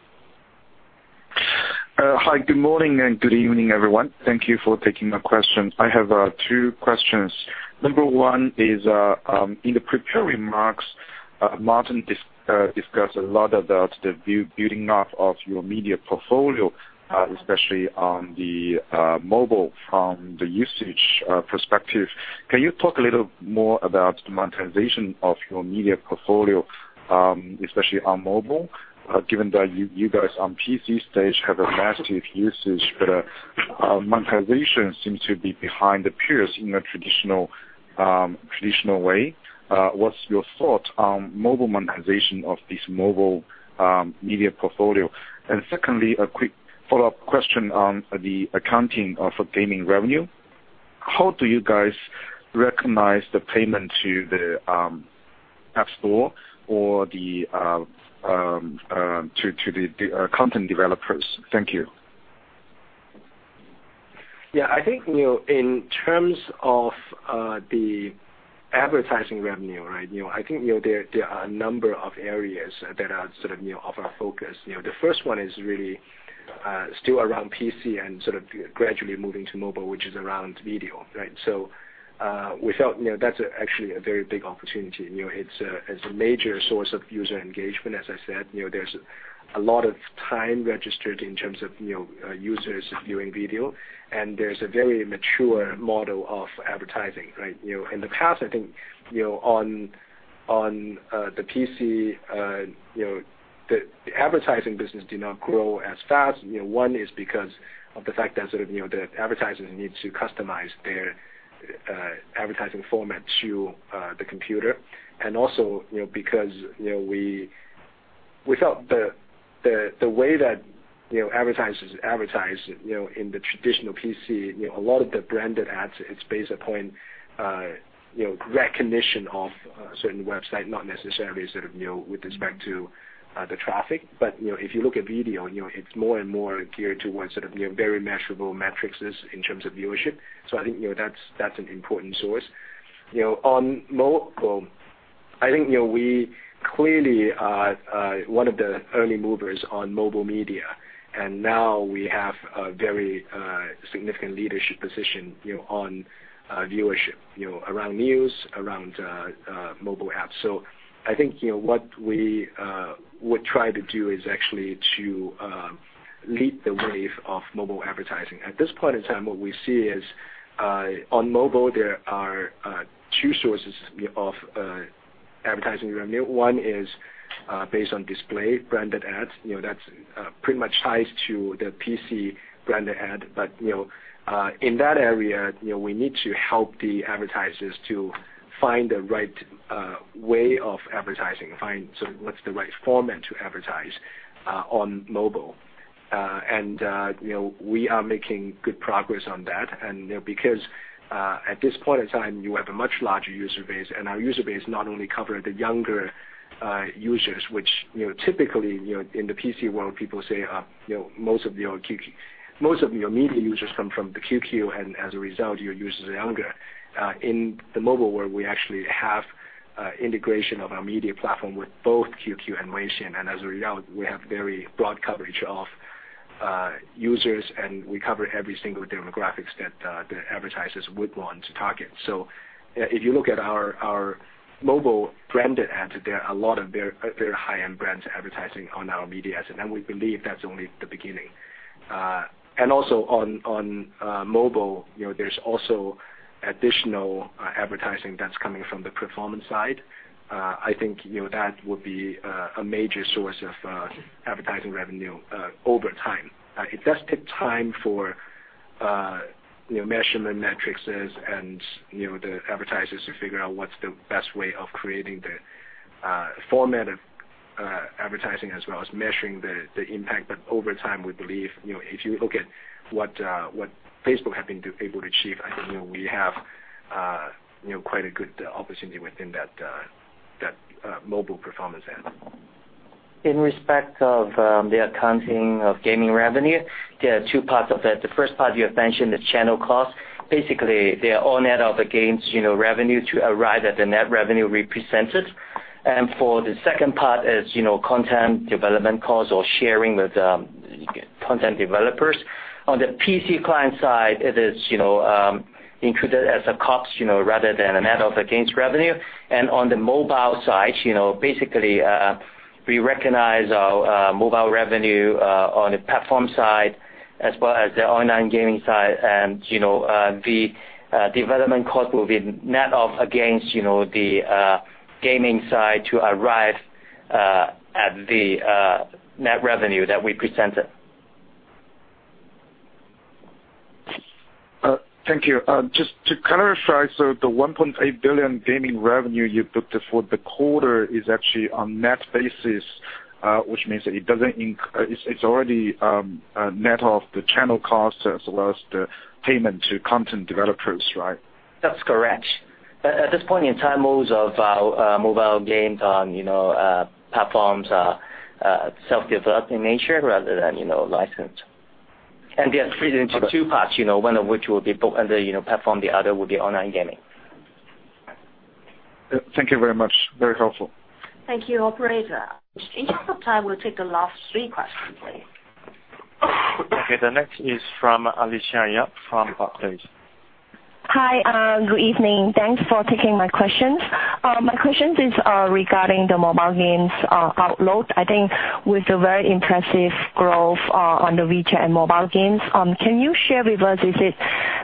Hi, good morning and good evening, everyone. Thank you for taking my question. I have two questions. Number 1 is, in the prepared remarks, Martin discussed a lot about the building up of your media portfolio, especially on the mobile, from the usage perspective. Can you talk a little more about monetization of your media portfolio, especially on mobile? Given that you guys on PC stage have a massive usage, but monetization seems to be behind the peers in a traditional way. What's your thought on mobile monetization of this mobile media portfolio? Secondly, a quick follow-up question on the accounting of gaming revenue. How do you guys recognize the payment to the app store or to the content developers? Thank you. I think in terms of the advertising revenue, right. I think there are a number of areas that are sort of our focus. The first one is really still around PC and sort of gradually moving to mobile, which is around video, right? We felt that's actually a very big opportunity. It's a major source of user engagement, as I said. There's a lot of time registered in terms of users viewing video, and there's a very mature model of advertising, right? In the past, I think, on the PC, the advertising business did not grow as fast. One is because of the fact that sort of the advertisers need to customize their advertising format to the computer, also because we felt the way that advertisers advertise in the traditional PC, a lot of the branded ads, it's based upon recognition of a certain website, not necessarily sort of with respect to the traffic. If you look at video, it's more and more geared towards sort of very measurable metrics in terms of viewership. I think that's an important source. On mobile, I think we clearly are one of the early movers on mobile media, now we have a very significant leadership position on viewership around news, around mobile apps. I think what we would try to do is actually to lead the wave of mobile advertising. At this point in time, what we see is, on mobile, there are two sources of advertising revenue. One is based on display branded ads. That's pretty much tied to the PC branded ad. In that area, we need to help the advertisers to find the right way of advertising, find sort of what's the right format to advertise on mobile. We are making good progress on that. Because at this point in time, you have a much larger user base, our user base not only cover the younger users, which typically in the PC world, people say most of your media users come from the QQ, as a result, your users are younger. In the mobile world, we actually have integration of our media platform with both QQ and Weixin, as a result, we have very broad coverage of users, and we cover every single demographics that advertisers would want to target. If you look at our mobile branded ads, there are a lot of very high-end brands advertising on our media, then we believe that's only the beginning. Also on mobile, there's also additional advertising that's coming from the performance side. I think that would be a major source of advertising revenue over time. It does take time for measurement metrics and the advertisers to figure out what's the best way of creating the format of advertising as well as measuring the impact. Over time, we believe if you look at what Facebook have been able to achieve, I think we have quite a good opportunity within that mobile performance ad. In respect of the accounting of gaming revenue, there are two parts of that. The first part you have mentioned is channel cost. Basically, they are all net of the games revenue to arrive at the net revenue represented. For the second part is content development costs or sharing with content developers. On the PC client side, it is included as a cost, rather than a net of against revenue. On the mobile side, basically, we recognize our mobile revenue on the platform side as well as the online gaming side. The development cost will be net off against the gaming side to arrive at the net revenue that we presented. Thank you. Just to clarify, the 1.8 billion gaming revenue you booked for the quarter is actually on net basis, which means that it's already net of the channel costs as well as the payment to content developers, right? That's correct. At this point in time, most of our mobile games on platforms are self-developed in nature rather than licensed. They are split into two parts, one of which will be booked under platform, the other will be online gaming. Thank you very much. Very helpful. Thank you, operator. In the interest of time, we'll take the last three questions, please. Okay, the next is from Alicia Yap from Barclays. Hi, good evening. Thanks for taking my questions. My questions is regarding the mobile games outlook. I think with the very impressive growth on the WeChat and mobile games, can you share with us, is it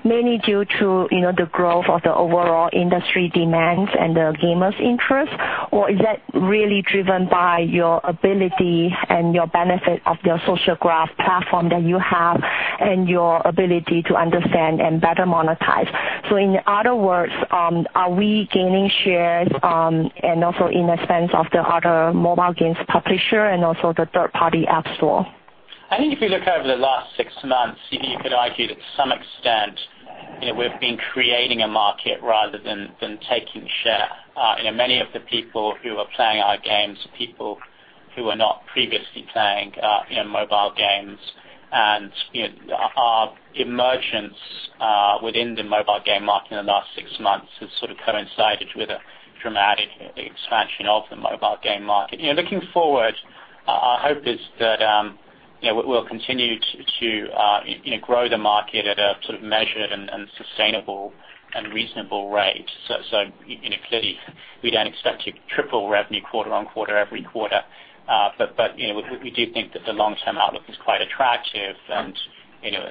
mainly due to the growth of the overall industry demands and the gamers interest, or is that really driven by your ability and your benefit of your social graph platform that you have and your ability to understand and better monetize? In other words, are we gaining shares, and also in the sense of the other mobile games publisher and also the third-party app store? I think if you look over the last six months, you could argue that to some extent, we've been creating a market rather than taking share. Many of the people who are playing our games are people who were not previously playing mobile games. Our emergence within the mobile game market in the last six months has sort of coincided with a dramatic expansion of the mobile game market. Looking forward, our hope is that we'll continue to grow the market at a sort of measured and sustainable and reasonable rate. Clearly, we don't expect to triple revenue quarter on quarter every quarter. We do think that the long-term outlook is quite attractive.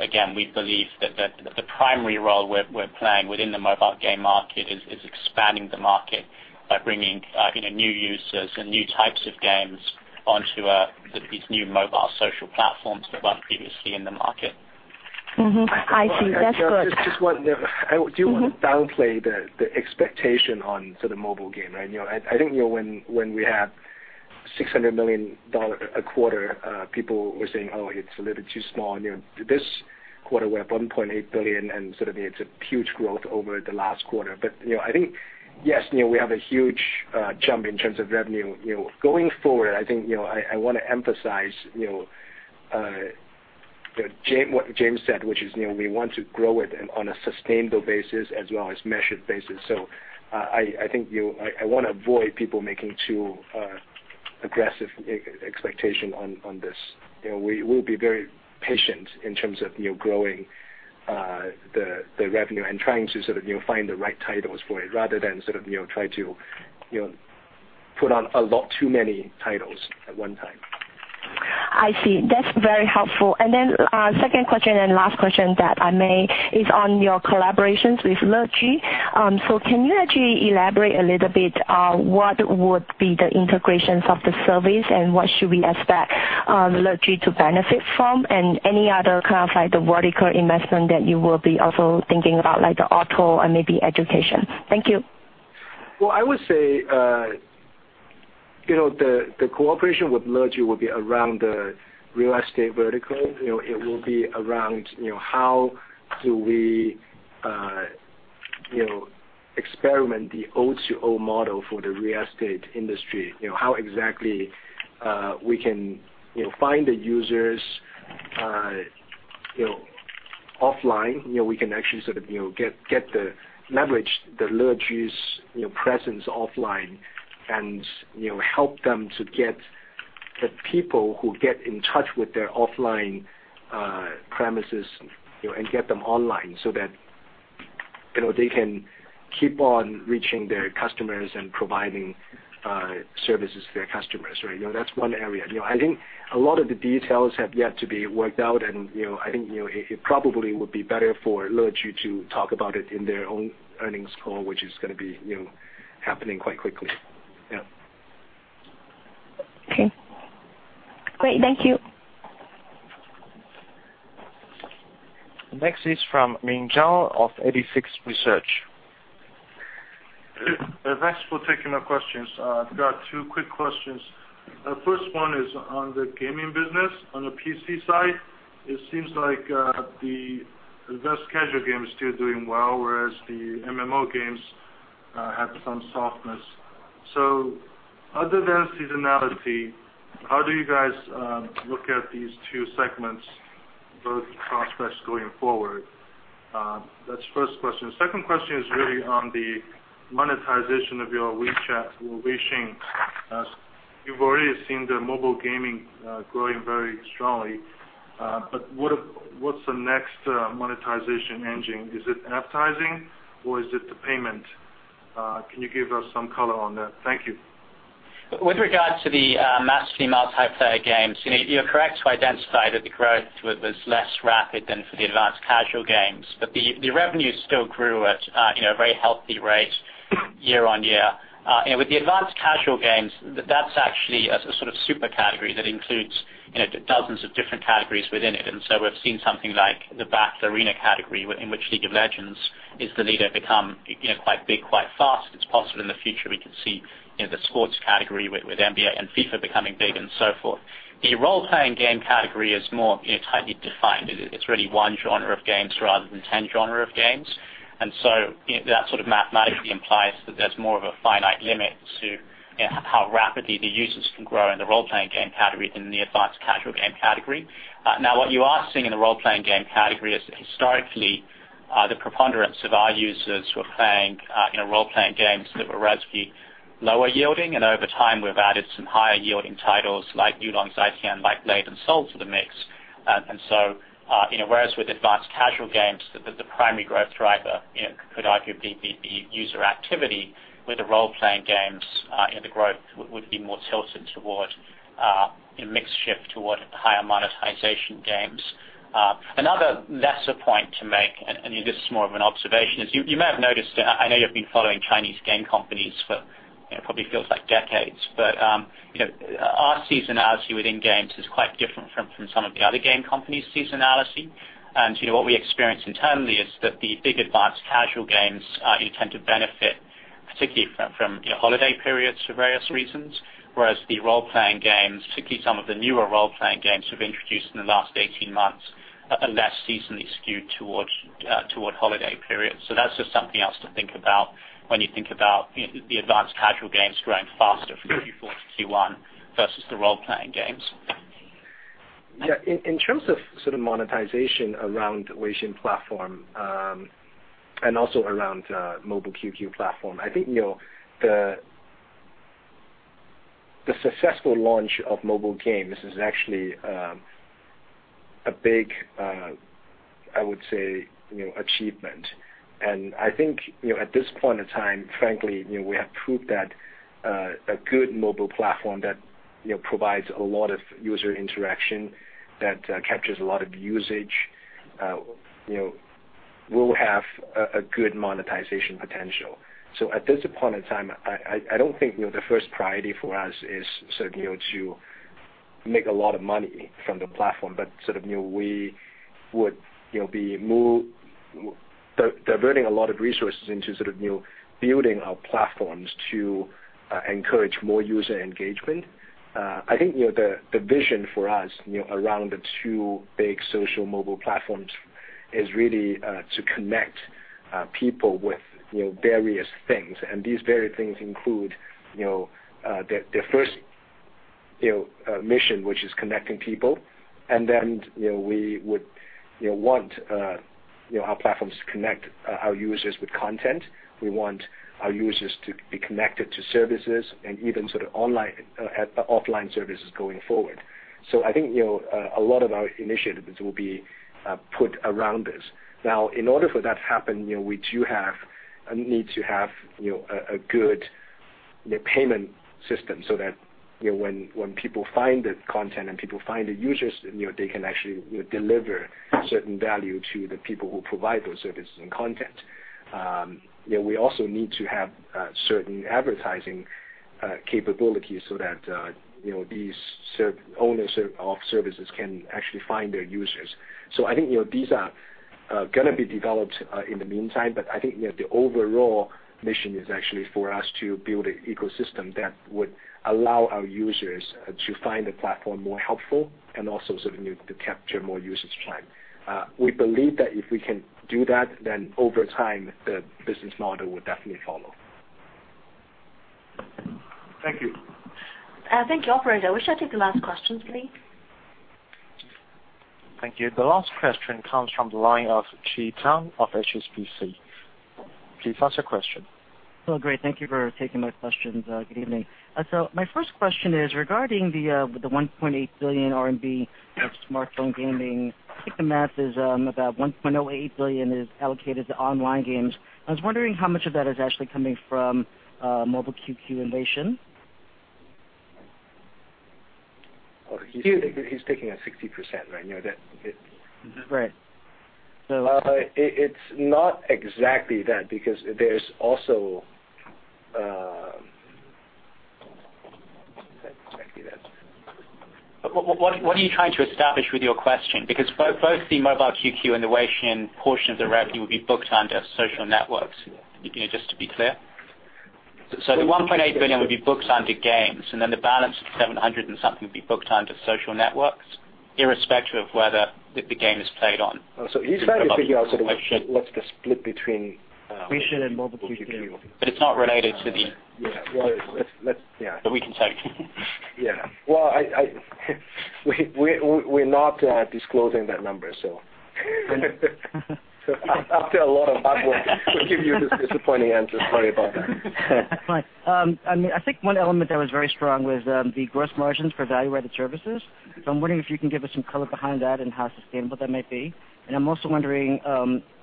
Again, we believe that the primary role we're playing within the mobile game market is expanding the market by bringing in new users and new types of games onto these new mobile social platforms that weren't previously in the market. I see. That's good. I do want to downplay the expectation on sort of mobile game, right? I think when we have CNY 600 million a quarter, people were saying, "Oh, it's a little too small." This quarter, we're at 1.8 billion, and sort of it's a huge growth over the last quarter. I think, yes, we have a huge jump in terms of revenue. Going forward, I think, I want to emphasize what James said, which is we want to grow it on a sustainable basis as well as measured basis. I want to avoid people making too aggressive expectation on this. We'll be very patient in terms of growing the revenue and trying to sort of find the right titles for it, rather than sort of try to put on a lot too many titles at one time. I see. That's very helpful. Second question and last question that I make is on your collaborations with Leju. Can you actually elaborate a little bit on what would be the integrations of the service and what should we expect Leju to benefit from? Any other kind of like the vertical investment that you will be also thinking about, like the auto or maybe education. Thank you. Well, I would say the cooperation with Leju will be around the real estate vertical. It will be around how do we experiment the O2O model for the real estate industry. How exactly we can find the users offline. We can actually sort of leverage Leju's presence offline and help them to get the people who get in touch with their offline premises and get them online so that they can keep on reaching their customers and providing services to their customers, right? That's one area. I think a lot of the details have yet to be worked out, and I think it probably would be better for Leju to talk about it in their own earnings call, which is going to be happening quite quickly. Yeah. Okay. Great. Thank you. Next is from Ming Zhao of 86Research. Thanks for taking our questions. I've got two quick questions. First one is on the gaming business. On the PC side, it seems like the casual game is still doing well, whereas the MMO games have some softness. Other than seasonality, how do you guys look at these two segments, both prospects going forward? That's first question. Second question is really on the monetization of your WeChat, or Weixin. As you've already seen, the mobile gaming growing very strongly. What's the next monetization engine? Is it advertising or is it the payment? Can you give us some color on that? Thank you. With regard to the mainstream multiplayer games, you're correct to identify that the growth was less rapid than for the advanced casual games. The revenue still grew at a very healthy rate year-on-year. With the advanced casual games, that's actually a sort of super category that includes dozens of different categories within it. We've seen something like the battle arena category, in which League of Legends is the leader, become quite big, quite fast. It's possible in the future we could see the sports category with NBA and FIFA becoming big and so forth. The role-playing game category is more tightly defined. It's really one genre of games rather than 10 genre of games. That sort of mathematically implies that there's more of a finite limit to how rapidly the users can grow in the role-playing game category than in the advanced casual game category. Now, what you are seeing in the role-playing game category is that historically, the preponderance of our users were playing role-playing games that were relatively lower yielding, and over time we've added some higher yielding titles like Blade & Soul to the mix. Whereas with advanced casual games, the primary growth driver could arguably be user activity, with the role-playing games, the growth would be more tilted toward a mix shift toward higher monetization games. Another lesser point to make, this is more of an observation, is you may have noticed, I know you've been following Chinese game companies for, probably feels like decades, but our seasonality within games is quite different from some of the other game companies' seasonality. What we experience internally is that the big advanced casual games tend to benefit, particularly from holiday periods for various reasons, whereas the role-playing games, particularly some of the newer role-playing games we've introduced in the last 18 months, are less seasonally skewed toward holiday periods. That's just something else to think about when you think about the advanced casual games growing faster for Q4 to Q1 versus the role-playing games. Yeah. In terms of monetization around Weixin platform, also around Mobile QQ platform, I think the successful launch of mobile games is actually a big, I would say, achievement. I think at this point in time, frankly, we have proved that a good mobile platform that provides a lot of user interaction, that captures a lot of usage, will have a good monetization potential. At this point in time, I don't think the first priority for us is to make a lot of money from the platform, but we would be diverting a lot of resources into building our platforms to encourage more user engagement. I think the vision for us around the two big social mobile platforms is really to connect people with various things, and these various things include their first mission, which is connecting people. Then, we would want our platforms to connect our users with content. We want our users to be connected to services and even offline services going forward. I think a lot of our initiatives will be put around this. Now, in order for that to happen, we do need to have a good payment system so that when people find the content and people find the users, they can actually deliver certain value to the people who provide those services and content. We also need to have certain advertising capabilities so that these owners of services can actually find their users. I think these are going to be developed in the meantime, but I think the overall mission is actually for us to build an ecosystem that would allow our users to find the platform more helpful and also to capture more usage time. We believe that if we can do that, then over time, the business model will definitely follow. Thank you. Thank you. Operator, we shall take the last questions, please. Thank you. The last question comes from the line of Chi Tsang of HSBC. Please ask your question. Great. Thank you for taking my questions. Good evening. My first question is regarding the 1.8 billion RMB of smartphone gaming. I think the math is about 1.08 billion is allocated to online games. I was wondering how much of that is actually coming from Mobile QQ innovation. He's taking a 60%, right? Right. It's not exactly that, because there's also Exactly that. What are you trying to establish with your question? Both the Mobile QQ and the Weixin portion of the revenue will be booked under social networks. Just to be clear. The 1.8 billion will be booked under games. The balance of 700 and something will be booked under social networks, irrespective of whether the game is played on- He's trying to figure out sort of what's the split between We should involve the future. It's not related. Yeah. Well, let's. We can check. Well, we're not disclosing that number. After a lot of hard work, we give you this disappointing answer. Sorry about that. That's fine. I think one element that was very strong was the gross margins for Value-Added Services. I'm wondering if you can give us some color behind that and how sustainable that might be. I'm also wondering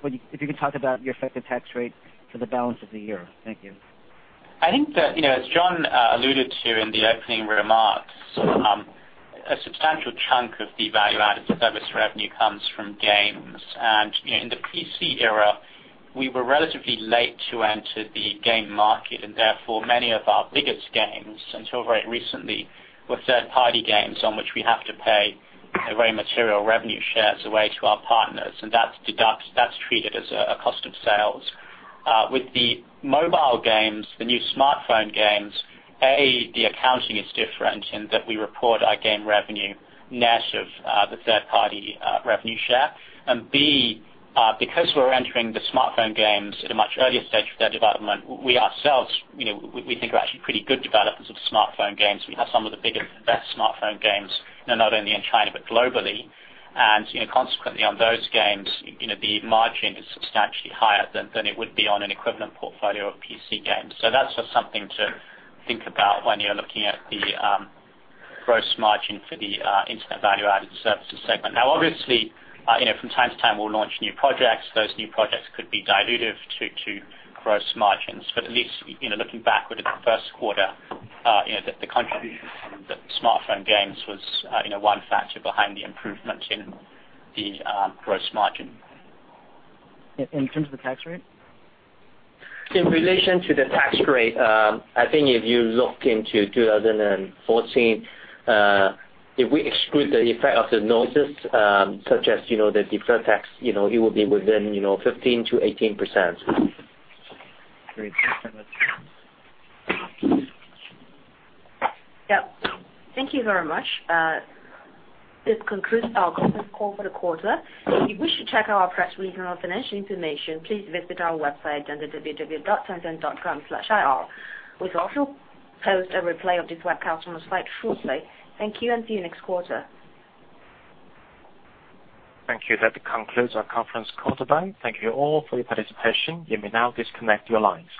if you could talk about your effective tax rate for the balance of the year. Thank you. I think that, as John alluded to in the opening remarks, a substantial chunk of the Value-Added Service revenue comes from games. In the PC era, we were relatively late to enter the game market, therefore, many of our biggest games, until very recently, were third-party games on which we have to pay very material revenue shares away to our partners. That's treated as a cost of sales. With the mobile games, the new smartphone games, A, the accounting is different in that we report our game revenue net of the third-party revenue share. B, because we're entering the smartphone games at a much earlier stage of their development, we ourselves think we're actually pretty good developers of smartphone games. We have some of the biggest and best smartphone games, not only in China but globally. Consequently, on those games, the margin is substantially higher than it would be on an equivalent portfolio of PC games. That's just something to think about when you're looking at the gross margin for the internet Value-Added Services segment. Now, obviously, from time to time, we'll launch new projects. Those new projects could be dilutive to gross margins. At least, looking backward at the first quarter, the contribution from the smartphone games was one factor behind the improvement in the gross margin. In terms of the tax rate? In relation to the tax rate, I think if you look into 2014, if we exclude the effect of the noises, such as the deferred tax, it will be within 15%-18%. Great. Thank you so much. Yep. Thank you very much. This concludes our conference call for the quarter. If you wish to check our press release or financial information, please visit our website at www.tencent.com/ir. We'll also post a replay of this webcast on the site shortly. Thank you, and see you next quarter. Thank you. That concludes our conference call today. Thank you all for your participation. You may now disconnect your lines.